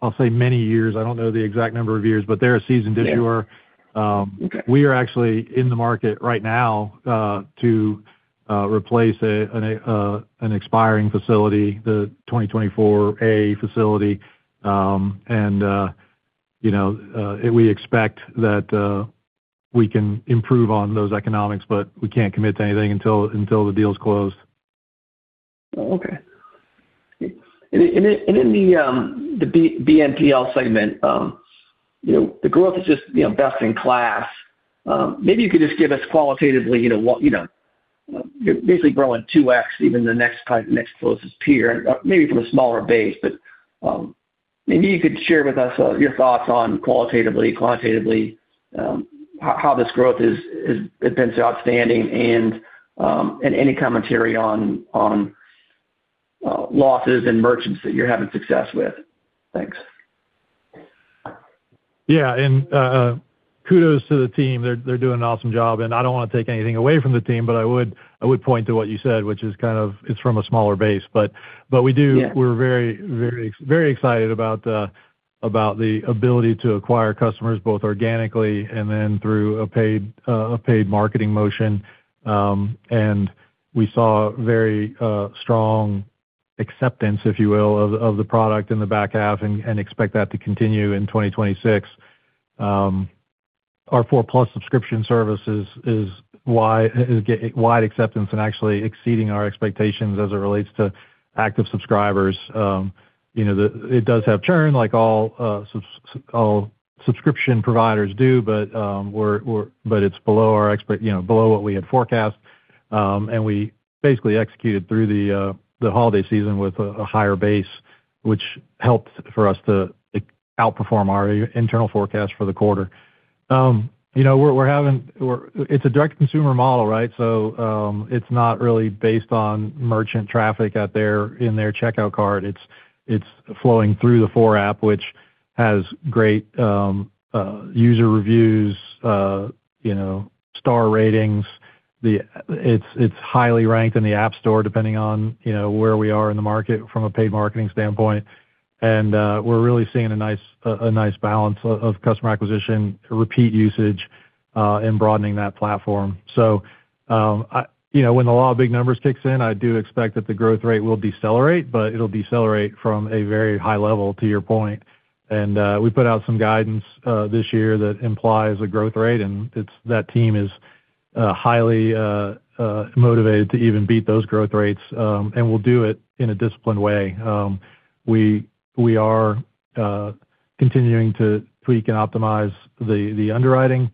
I'll say, many years. I don't know the exact number of years, but they're a seasoned issuer. Yeah. Okay. We are actually in the market right now to replace an expiring facility, the 2024 A facility. And, you know, we expect that we can improve on those economics, but we can't commit to anything until the deal is closed. Okay. And in the BNPL segment, you know, the growth is just, you know, best in class. Maybe you could just give us qualitatively, you know, what, you know, basically growing 2x, even the next closest peer, maybe from a smaller base. But maybe you could share with us your thoughts on qualitatively, quantitatively, how this growth has been outstanding and any commentary on losses and merchants that you're having success with. Thanks. Yeah, and kudos to the team. They're doing an awesome job, and I don't wanna take anything away from the team, but I would point to what you said, which is kind of, it's from a smaller base. But we do Yeah. We're very, very, very excited about the ability to acquire customers, both organically and then through a paid marketing motion. And we saw very strong acceptance, if you will, of the product in the back half and expect that to continue in 2026. Our Four+ subscription service is getting wide acceptance and actually exceeding our expectations as it relates to active subscribers. You know, it does have churn, like all subscription providers do, but we're but it's below our expectations, you know, below what we had forecast. And we basically executed through the holiday season with a higher base, which helped for us to outperform our internal forecast for the quarter. You know, we're having. It's a direct-to-consumer model, right? So, it's not really based on merchant traffic at their, in their checkout cart. It's flowing through the Four app, which has great user reviews, you know, star ratings. It's highly ranked in the App Store, depending on, you know, where we are in the market from a paid marketing standpoint. And we're really seeing a nice balance of customer acquisition, repeat usage, and broadening that platform. So, you know, when the law of big numbers kicks in, I do expect that the growth rate will decelerate, but it'll decelerate from a very high level, to your point. We put out some guidance this year that implies a growth rate, and it's that team is highly motivated to even beat those growth rates, and we'll do it in a disciplined way. We are continuing to tweak and optimize the underwriting,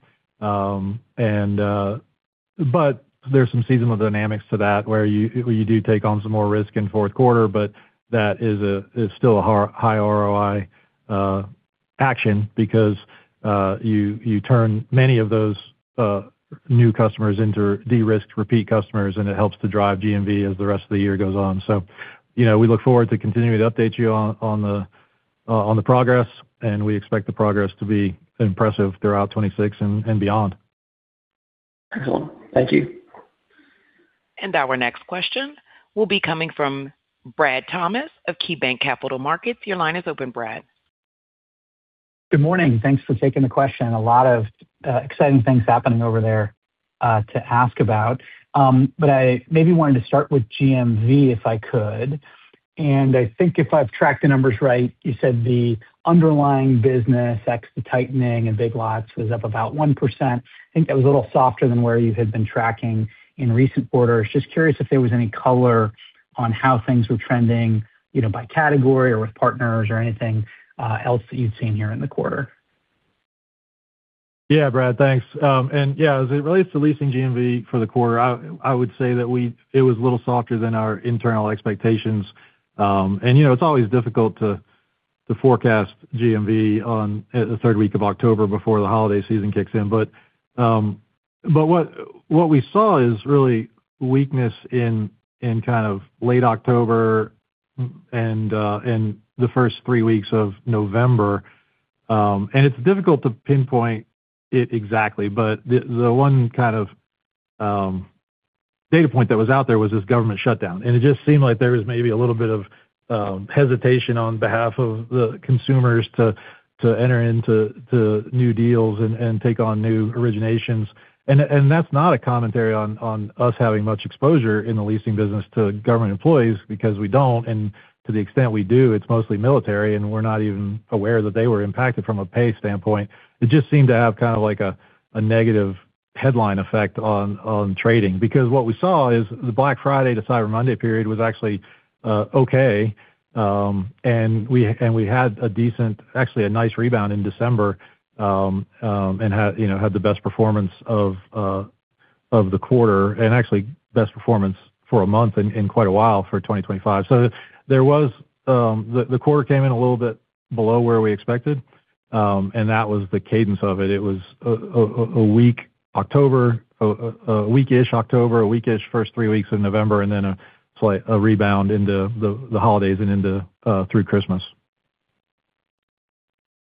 and, but there's some seasonal dynamics to that, where you do take on some more risk in fourth quarter, but that is still a high ROI action because you turn many of those new customers into de-risked repeat customers, and it helps to drive GMV as the rest of the year goes on. So, you know, we look forward to continuing to update you on the progress, and we expect the progress to be impressive throughout 2026 and beyond. Excellent. Thank you. Our next question will be coming from Brad Thomas of KeyBanc Capital Markets. Your line is open, Brad. Good morning. Thanks for taking the question. A lot of exciting things happening over there to ask about. But I maybe wanted to start with GMV, if I could, and I think if I've tracked the numbers right, you said the underlying business, ex the tightening and Big Lots, was up about 1%. I think that was a little softer than where you had been tracking in recent quarters. Just curious if there was any color on how things were trending, you know, by category or with partners or anything else that you've seen here in the quarter. Yeah, Brad, thanks. Yeah, as it relates to leasing GMV for the quarter, I would say that we, it was a little softer than our internal expectations. And, you know, it's always difficult to forecast GMV on the third week of October before the holiday season kicks in. But what we saw is really weakness in kind of late October and the first three weeks of November. And it's difficult to pinpoint it exactly, but the one kind of data point that was out there was this government shutdown, and it just seemed like there was maybe a little bit of hesitation on behalf of the consumers to enter into new deals and take on new originations. And that's not a commentary on us having much exposure in the leasing business to government employees, because we don't. And to the extent we do, it's mostly military, and we're not even aware that they were impacted from a pay standpoint. It just seemed to have kind of like a negative headline effect on trading, because what we saw is the Black Friday to Cyber Monday period was actually okay. And we had a decent, actually a nice rebound in December, and had, you know, had the best performance of the quarter, and actually best performance for a month in quite a while for 2025. So there was. The quarter came in a little bit below where we expected, and that was the cadence of it. It was a weak October, a weak-ish October, a weak-ish first three weeks in November, and then a slight rebound into the holidays and into through Christmas.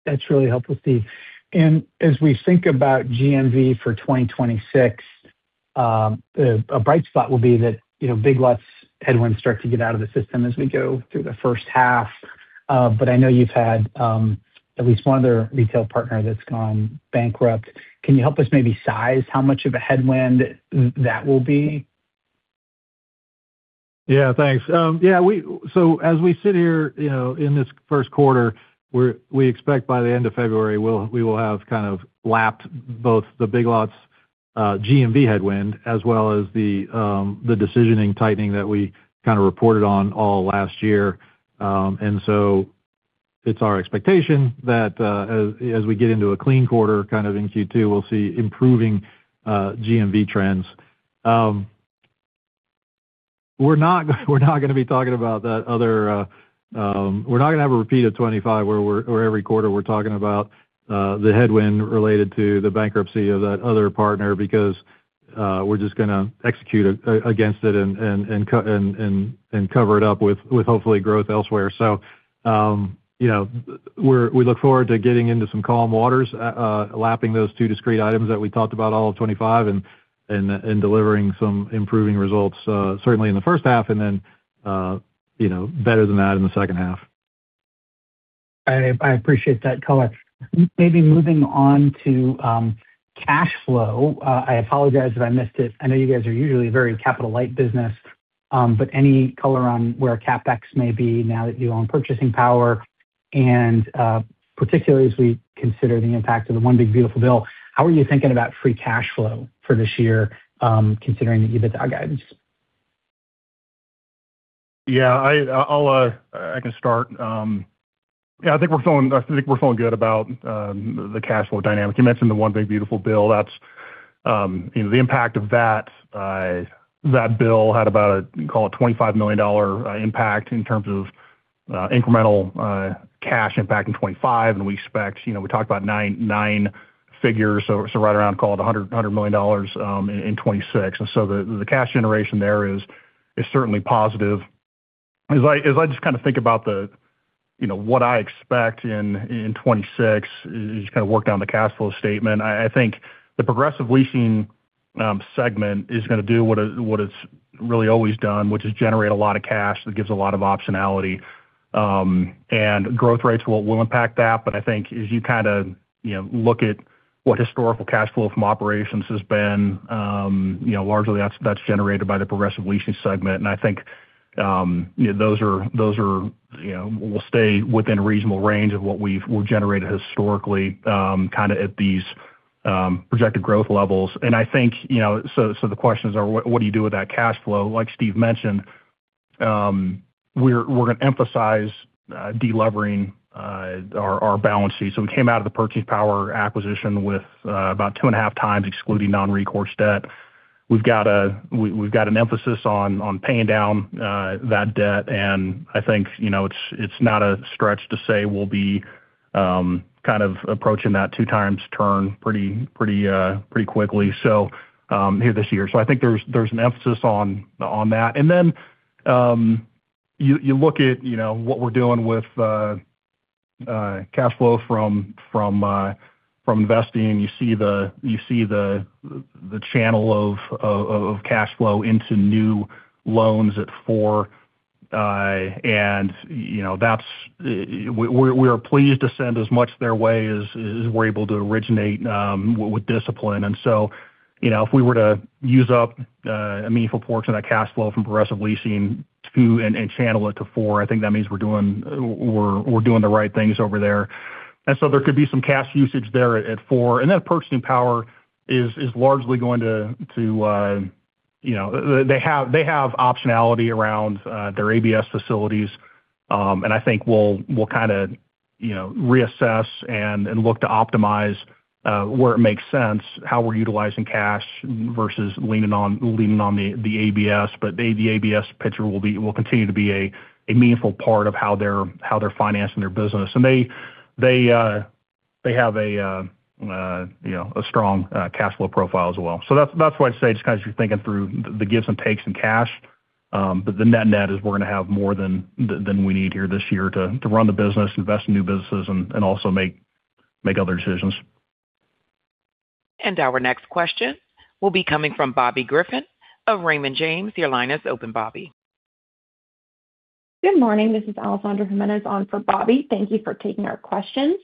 That's really helpful, Steve. And as we think about GMV for 2026, a bright spot will be that, you know, Big Lots headwinds start to get out of the system as we go through the H1. But I know you've had at least one other retail partner that's gone bankrupt. Can you help us maybe size how much of a headwind that will be? Yeah, thanks. Yeah, so as we sit here, you know, in this first quarter, we expect by the end of February, we'll, we will have kind of lapped both the Big Lots GMV headwind, as well as the decisioning tightening that we kind of reported on all last year. And so it's our expectation that, as we get into a clean quarter, kind of in Q2, we'll see improving GMV trends. We're not gonna be talking about that other. We're not gonna have a repeat of 25, where every quarter we're talking about the headwind related to the bankruptcy of that other partner, because we're just gonna execute against it and cover it up with hopefully growth elsewhere. You know, we look forward to getting into some calm waters, lapping those two discrete items that we talked about all of 2025, and delivering some improving results, certainly in the H1, and then, you know, better than that in the H2. I appreciate that color. Maybe moving on to cash flow. I apologize if I missed it. I know you guys are usually a very capital-light business, but any color on where CapEx may be now that you own Purchasing Power, and particularly as we consider the impact of the one big beautiful bill, how are you thinking about free cash flow for this year, considering the EBITDA guidance? Yeah, I'll start. Yeah, I think we're feeling good about the cash flow dynamic. You mentioned the one big beautiful bill. That's, you know, the impact of that bill had about, call it $25 million impact in terms of incremental cash impact in 2025. And we expect, you know, we talked about nine figures, so right around, call it $100 million in 2026. And so the cash generation there is certainly positive. As I just kind of think about the, you know, what I expect in 2026, is just kind of work down the cash flow statement. I think the Progressive Leasing segment is gonna do what it's really always done, which is generate a lot of cash that gives a lot of optionality. And growth rates will impact that. But I think as you kind of, you know, look at what historical cash flow from operations has been, you know, largely that's generated by the Progressive Leasing segment. And I think, you know, those will stay within reasonable range of what we've generated historically, kind of at these projected growth levels. And I think, you know, so the questions are, what do you do with that cash flow? Like Steve mentioned, we're gonna emphasize delivering our balance sheet. So we came out of the Purchasing Power acquisition with about 2.5 times, excluding non-recourse debt. We've got an emphasis on paying down that debt, and I think, you know, it's not a stretch to say we'll be kind of approaching that 2 times turn pretty pretty quickly, so here this year. So I think there's an emphasis on that. And then you look at, you know, what we're doing with cash flow from investing. You see the channel of cash flow into new loans at Four. And, you know, that's, we are pleased to send as much their way as we're able to originate with discipline. And so, you know, if we were to use up a meaningful portion of that cash flow from Progressive Leasing to channel it to Four, I think that means we're doing the right things over there. And so there could be some cash usage there at Four. And that Purchasing Power is largely going to, you know, they have optionality around their ABS facilities. And I think we'll kind of, you know, reassess and look to optimize where it makes sense, how we're utilizing cash versus leaning on the ABS. But the ABS picture will continue to be a meaningful part of how they're financing their business. And they have, you know, a strong cash flow profile as well. So that's why I'd say, just kind of thinking through the gives and takes in cash. But the net-net is we're going to have more than we need here this year to run the business, invest in new businesses, and also make other decisions. Our next question will be coming from Bobby Griffin of Raymond James. Your line is open, Bobby. Good morning. This is Alessandra Jimenez on for Bobby. Thank you for taking our questions.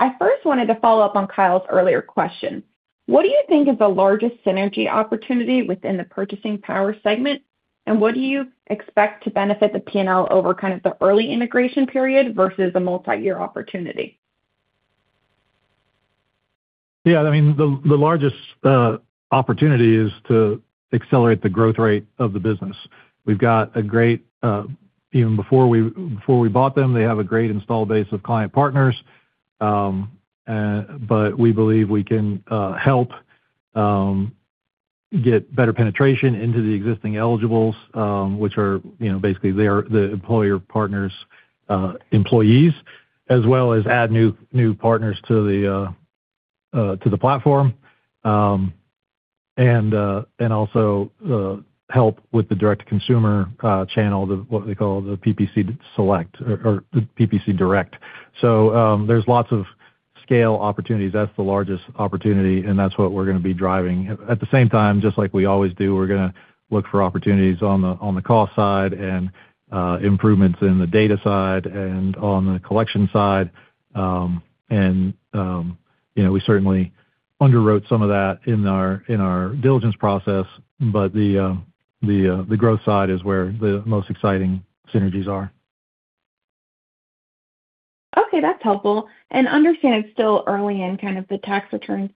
I first wanted to follow up on Kyle's earlier question. What do you think is the largest synergy opportunity within the Purchasing Power segment? And what do you expect to benefit the P&L over kind of the early integration period versus a multi-year opportunity? Yeah, I mean, the largest opportunity is to accelerate the growth rate of the business. We've got a great, even before we bought them, they have a great installed base of client partners. But we believe we can help get better penetration into the existing eligibles, which are, you know, basically, they are the employer partners' employees, as well as add new partners to the platform. And also help with the direct-to-consumer channel, what they call the PPC Select or the PPC Direct. So, there's lots of scale opportunities. That's the largest opportunity, and that's what we're going to be driving. At the same time, just like we always do, we're going to look for opportunities on the cost side and improvements in the data side and on the collection side. You know, we certainly underwrote some of that in our diligence process, but the growth side is where the most exciting synergies are. Okay, that's helpful. I understand it's still early in kind of the tax return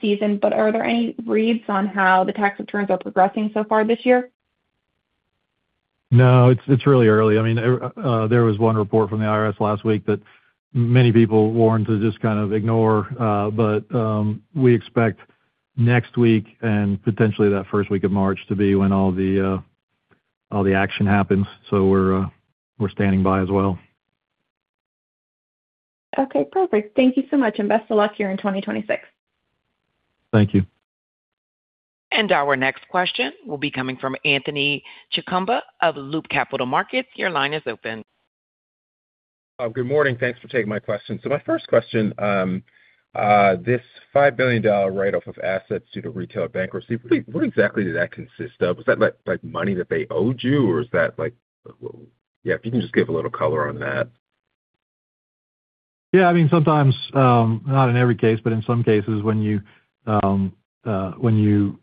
season, but are there any reads on how the tax returns are progressing so far this year? No, it's really early. I mean, there was one report from the IRS last week that many people warned to just kind of ignore. But, we expect next week and potentially that first week of March to be when all the action happens. So we're standing by as well. Okay, perfect. Thank you so much, and best of luck here in 2026. Thank you. Our next question will be coming from Anthony Chukumba of Loop Capital Markets. Your line is open. Good morning. Thanks for taking my question. My first question, this $5 billion write-off of assets due to retail bankruptcy, what exactly did that consist of? Was that, like, money that they owed you, or is that like, yeah, if you can just give a little color on that. Yeah, I mean, sometimes, not in every case, but in some cases, when you, when you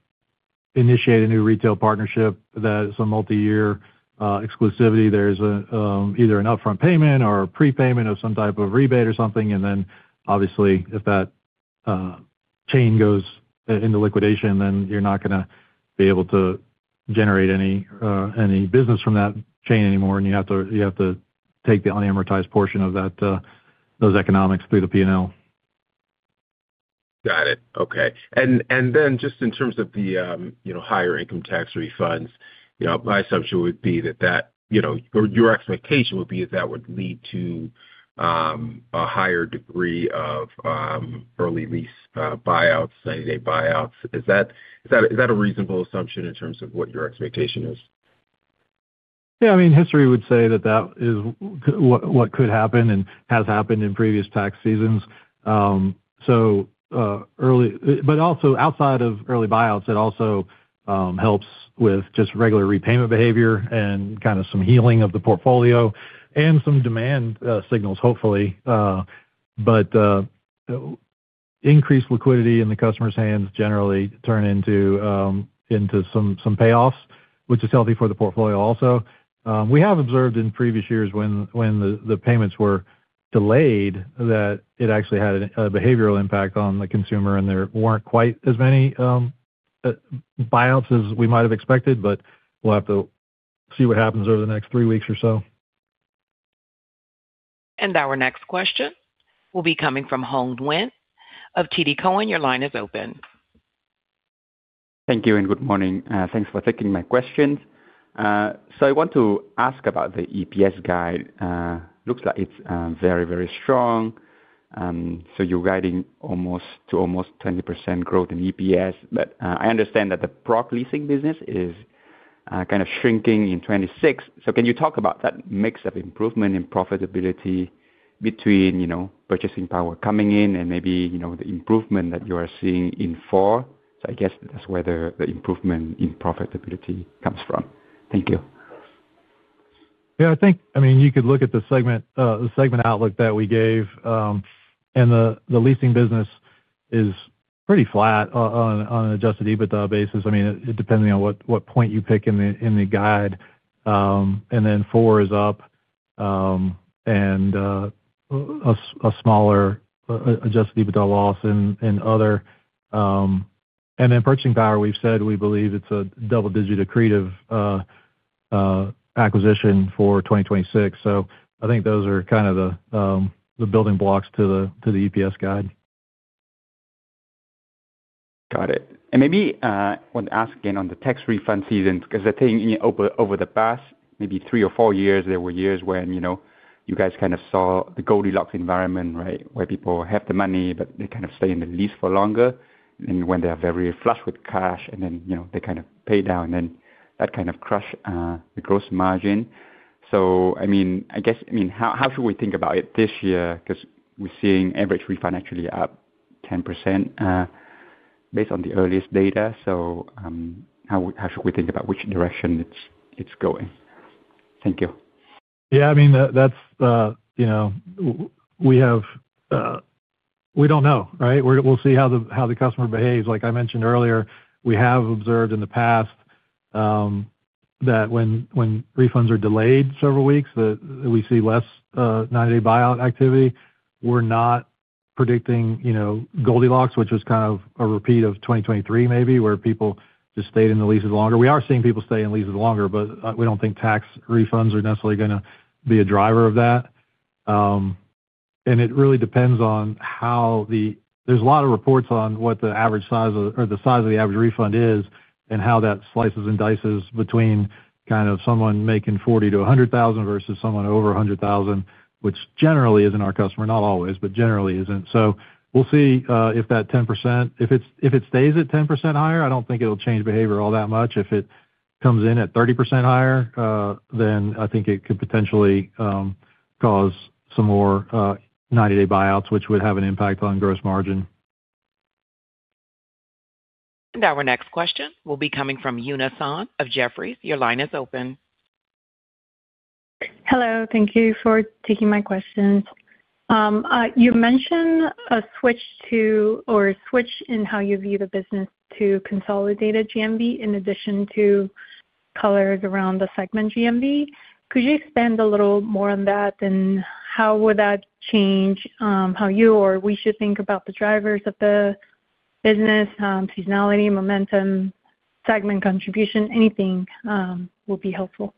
initiate a new retail partnership that is a multi-year, exclusivity, there's a, either an upfront payment or a prepayment of some type of rebate or something. And then obviously, if that, chain goes into liquidation, then you're not going to be able to generate any, any business from that chain anymore, and you have to, you have to take the unamortized portion of that, those economics through the P&L. Got it. Okay. And, and then just in terms of the, you know, higher income tax refunds, you know, my assumption would be that, that, you know, or your expectation would be that would lead to, a higher degree of, early lease, buyouts, 90-day buyouts. Is that, is that, is that a reasonable assumption in terms of what your expectation is? Yeah, I mean, history would say that is what could happen and has happened in previous tax seasons. But also outside of early buyouts, it also helps with just regular repayment behavior and kind of some healing of the portfolio and some demand signals, hopefully. But increased liquidity in the customer's hands generally turn into some payoffs, which is healthy for the portfolio also. We have observed in previous years when the payments were delayed, that it actually had a behavioral impact on the consumer, and there weren't quite as many buyouts as we might have expected, but we'll have to see what happens over the next three weeks or so. Our next question will be coming from Hoang Nguyen of TD Cowen. Your line is open. Thank you and good morning. Thanks for taking my questions. So I want to ask about the EPS guide. Looks like it's very, very strong. So you're guiding almost to almost 20% growth in EPS. But I understand that the Progressive Leasing business is kind of shrinking in 2026. So can you talk about that mix of improvement in profitability between, you know, Purchasing Power coming in and maybe, you know, the improvement that you are seeing in Four? So I guess that's where the improvement in profitability comes from. Thank you. Yeah, I think, I mean, you could look at the segment, the segment outlook that we gave, and the leasing business is pretty flat on an Adjusted EBITDA basis. I mean, it depending on what point you pick in the guide, and then Four is up, and a smaller Adjusted EBITDA loss in other. And in Purchasing Power, we've said we believe it's a double-digit accretive acquisition for 2026. So I think those are kind of the building blocks to the EPS guide. Got it. And maybe, want to ask again on the tax refund season, because I think over, over the past, maybe three or four years, there were years when, you know, you guys kind of saw the Goldilocks environment, right? Where people have the money, but they kind of stay in the lease for longer, and when they are very flush with cash, and then, you know, they kind of pay down, and that kind of crush, the gross margin. So I mean, I guess, I mean, how, how should we think about it this year? Because we're seeing average refund actually up 10%, based on the earliest data. So, how, how should we think about which direction it's, it's going? Thank you. Yeah, I mean, that's, you know, we have, we don't know, right? We'll see how the customer behaves. Like I mentioned earlier, we have observed in the past, that when refunds are delayed several weeks, that we see less 90-day buyout activity. We're not predicting, you know, Goldilocks, which is kind of a repeat of 2023 maybe, where people just stayed in the leases longer. We are seeing people stay in leases longer, but, we don't think tax refunds are necessarily gonna be a driver of that. And it really depends on how the. There's a lot of reports on what the average size of, or the size of the average refund is, and how that slices and dices between kind of someone making 40-100,000 versus someone over 100,000, which generally isn't our customer. Not always, but generally isn't. We'll see if that 10%. If it stays at 10% higher, I don't think it'll change behavior all that much. If it comes in at 30% higher, then I think it could potentially cause some more 90-day buyouts, which would have an impact on gross margin. Our next question will be coming from Eunice Ahn of Jefferies. Your line is open. Hello, thank you for taking my questions. You mentioned a switch to, or a switch in how you view the business to consolidated GMV, in addition to colors around the segment GMV. Could you expand a little more on that, and how would that change how you or we should think about the drivers of the business, seasonality, momentum, segment contribution? Anything will be helpful.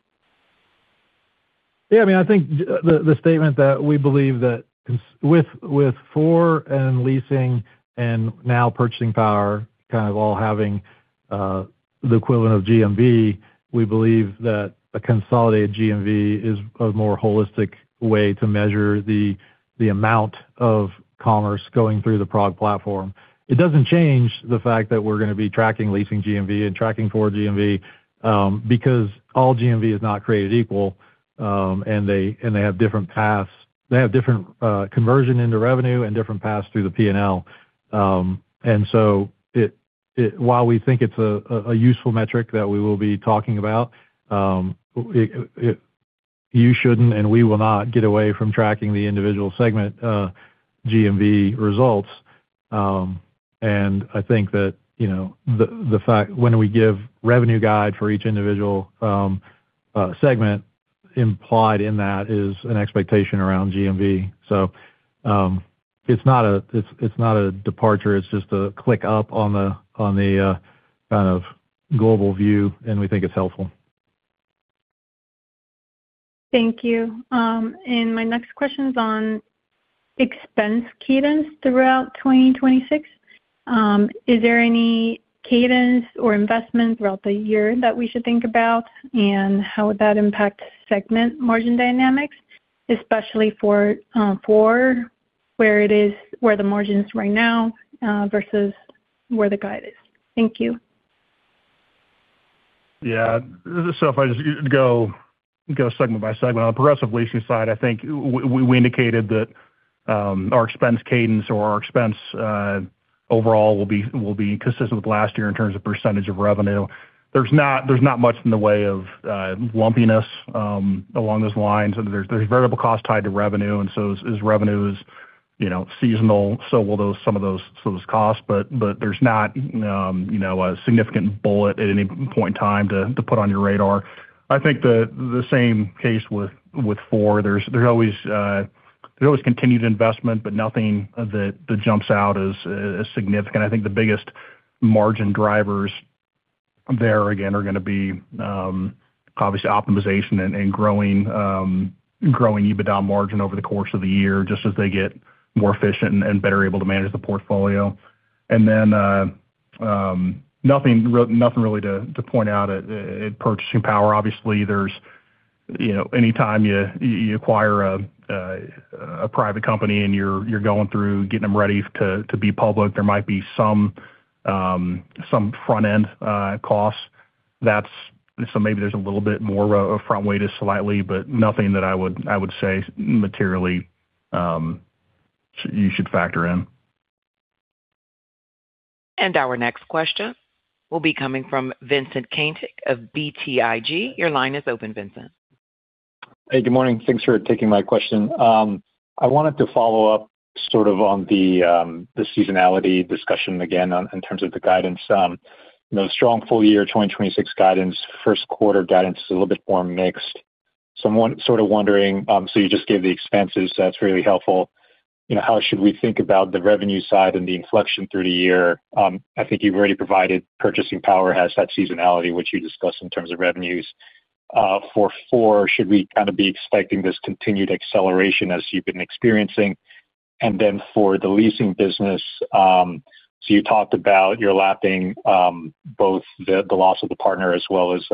Yeah, I mean, I think the statement that we believe that with Four and leasing and now Purchasing Power, kind of all having the equivalent of GMV, we believe that a consolidated GMV is a more holistic way to measure the amount of commerce going through the PROG platform. It doesn't change the fact that we're gonna be tracking leasing GMV and tracking Four GMV, because all GMV is not created equal, and they have different paths. They have different conversion into revenue and different paths through the PNL. And so it, while we think it's a useful metric that we will be talking about, it you shouldn't, and we will not get away from tracking the individual segment GMV results. And I think that, you know, the fact, when we give revenue guide for each individual segment, implied in that is an expectation around GMV. So, it's not a departure, it's just a click up on the kind of global view, and we think it's helpful. Thank you. And my next question is on expense cadence throughout 2026. Is there any cadence or investment throughout the year that we should think about? How would that impact segment margin dynamics, especially for Four, where it is, where the margin is right now, versus where the guide is? Thank you. Yeah. So if I just go segment by segment, on the Progressive Leasing side, I think we indicated that our expense cadence or our expense overall will be consistent with last year in terms of percentage of revenue. There's not much in the way of lumpiness along those lines. There's variable costs tied to revenue, and so as revenue is, you know, seasonal, so will those, some of those costs. But there's not, you know, a significant bullet at any point in time to put on your radar. I think the same case with Four, there's always continued investment, but nothing that jumps out as significant. I think the biggest margin drivers there, again, are gonna be obviously optimization and growing EBITDA margin over the course of the year, just as they get more efficient and better able to manage the portfolio. And then, nothing really to point out at Purchasing Power. Obviously, there's, you know, anytime you acquire a private company and you're going through getting them ready to be public, there might be some front-end costs. That's. So maybe there's a little bit more of front-weighted slightly, but nothing that I would say materially you should factor in. Our next question will be coming from Vincent Caintic of BTIG. Your line is open, Vincent. Hey, good morning. Thanks for taking my question. I wanted to follow up sort of on the seasonality discussion again, on in terms of the guidance. You know, strong full year 2026 guidance, first quarter guidance is a little bit more mixed. So I'm sort of wondering, so you just gave the expenses, that's really helpful. You know, how should we think about the revenue side and the inflection through the year? I think you've already provided Purchasing Power has that seasonality, which you discussed in terms of revenues. For Four, should we kind of be expecting this continued acceleration as you've been experiencing? And then for the leasing business, so you talked about you're lapping both the loss of the partner as well as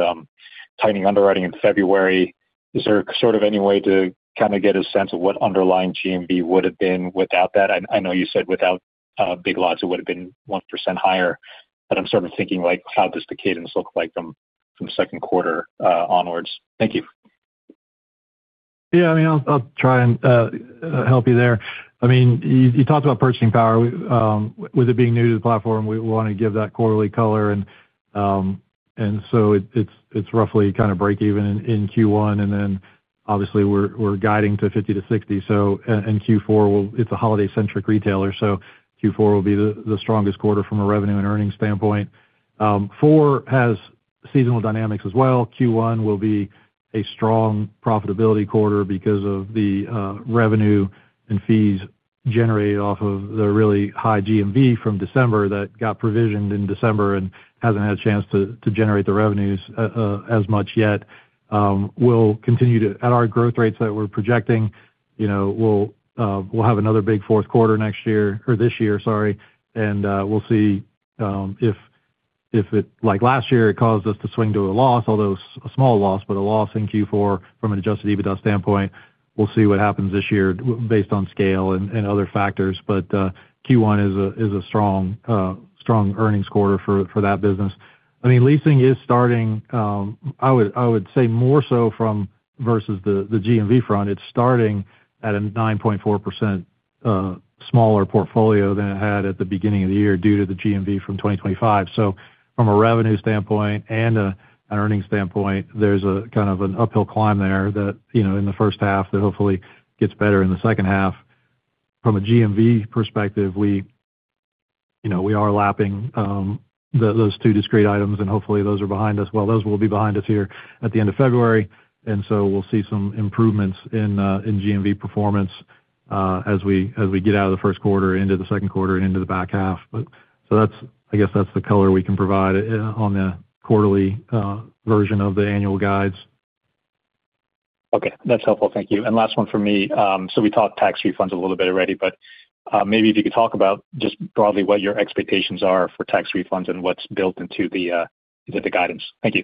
tightening underwriting in February. Is there sort of any way to kind of get a sense of what underlying GMV would have been without that? I know you said without Big Lots, it would have been 1% higher, but I'm sort of thinking, like, how does the cadence look like from the second quarter onwards? Thank you. Yeah, I mean, I'll try and help you there. I mean, you talked about Purchasing Power. With it being new to the platform, we want to give that quarterly color. It's roughly kind of breakeven in Q1, and obviously, we're guiding to $50 million-$60 million. Q4 will be the strongest quarter from a revenue and earnings standpoint, as it's a holiday-centric retailer. Four has seasonal dynamics as well. Q1 will be a strong profitability quarter because of the revenue and fees generated off of the really high GMV from December that got provisioned in December and hasn't had a chance to generate the revenues as much yet. We'll continue to at our growth rates that we're projecting, you know, we'll have another big fourth quarter next year, or this year, sorry, and we'll see if, like last year, it caused us to swing to a loss, although a small loss, but a loss in Q4 from an Adjusted EBITDA standpoint. We'll see what happens this year based on scale and other factors. But Q1 is a strong earnings quarter for that business. I mean, leasing is starting. I would say more so from versus the GMV front. It's starting at a 9.4% smaller portfolio than it had at the beginning of the year, due to the GMV from 2025. So from a revenue standpoint and an earnings standpoint, there's a kind of an uphill climb there that, you know, in the H1, that hopefully gets better in the H2. From a GMV perspective, we, you know, we are lapping those two discrete items, and hopefully, those are behind us. Well, those will be behind us here at the end of February, and so we'll see some improvements in GMV performance as we, as we get out of the first quarter into the second quarter and into the back half. But so that's, I guess, that's the color we can provide on the quarterly version of the annual guides. Okay. That's helpful. Thank you. And last one for me. So we talked tax refunds a little bit already, but maybe if you could talk about just broadly, what your expectations are for tax refunds and what's built into the guidance. Thank you.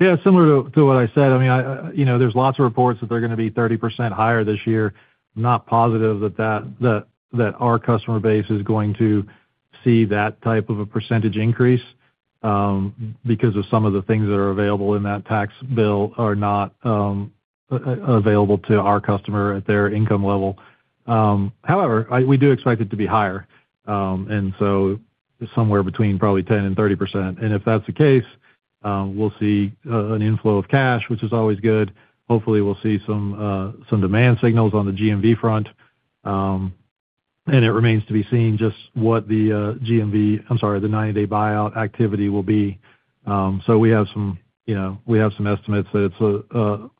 Yeah, similar to what I said. I mean, you know, there's lots of reports that they're gonna be 30% higher this year. Not positive that our customer base is going to see that type of a percentage increase, because of some of the things that are available in that tax bill are not available to our customer at their income level. However, we do expect it to be higher, and so somewhere between probably 10%-30%. And if that's the case, we'll see an inflow of cash, which is always good. Hopefully, we'll see some demand signals on the GMV front. And it remains to be seen just what the GMV, I'm sorry, the 90-day buyout activity will be. So, you know, we have some estimates that it's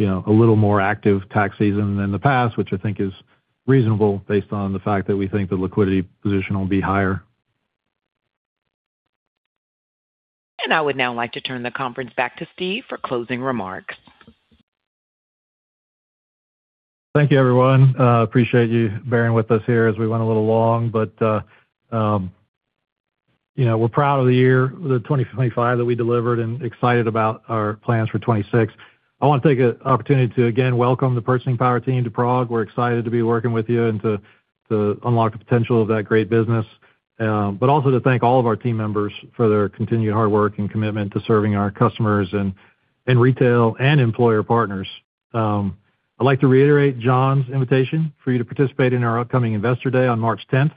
a little more active tax season than the past, which I think is reasonable, based on the fact that we think the liquidity position will be higher. I would now like to turn the conference back to Steve for closing remarks. Thank you, everyone. Appreciate you bearing with us here as we went a little long, but you know, we're proud of the year, the 2025, that we delivered and excited about our plans for 2026. I want to take an opportunity to again welcome the Purchasing Power team to PROG. We're excited to be working with you and to unlock the potential of that great business, but also to thank all of our team members for their continued hard work and commitment to serving our customers and retail and employer partners. I'd like to reiterate John's invitation for you to participate in our upcoming Investor Day on March 10th.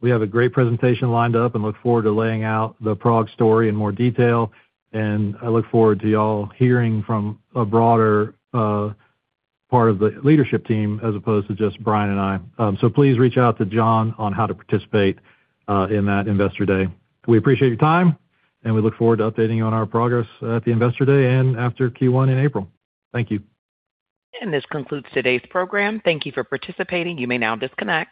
We have a great presentation lined up and look forward to laying out the PROG story in more detail, and I look forward to y'all hearing from a broader part of the leadership team as opposed to just Brian and I. Please reach out to John on how to participate in that Investor Day. We appreciate your time, and we look forward to updating you on our progress at the Investor Day and after Q1 in April. Thank you. This concludes today's program. Thank you for participating. You may now disconnect.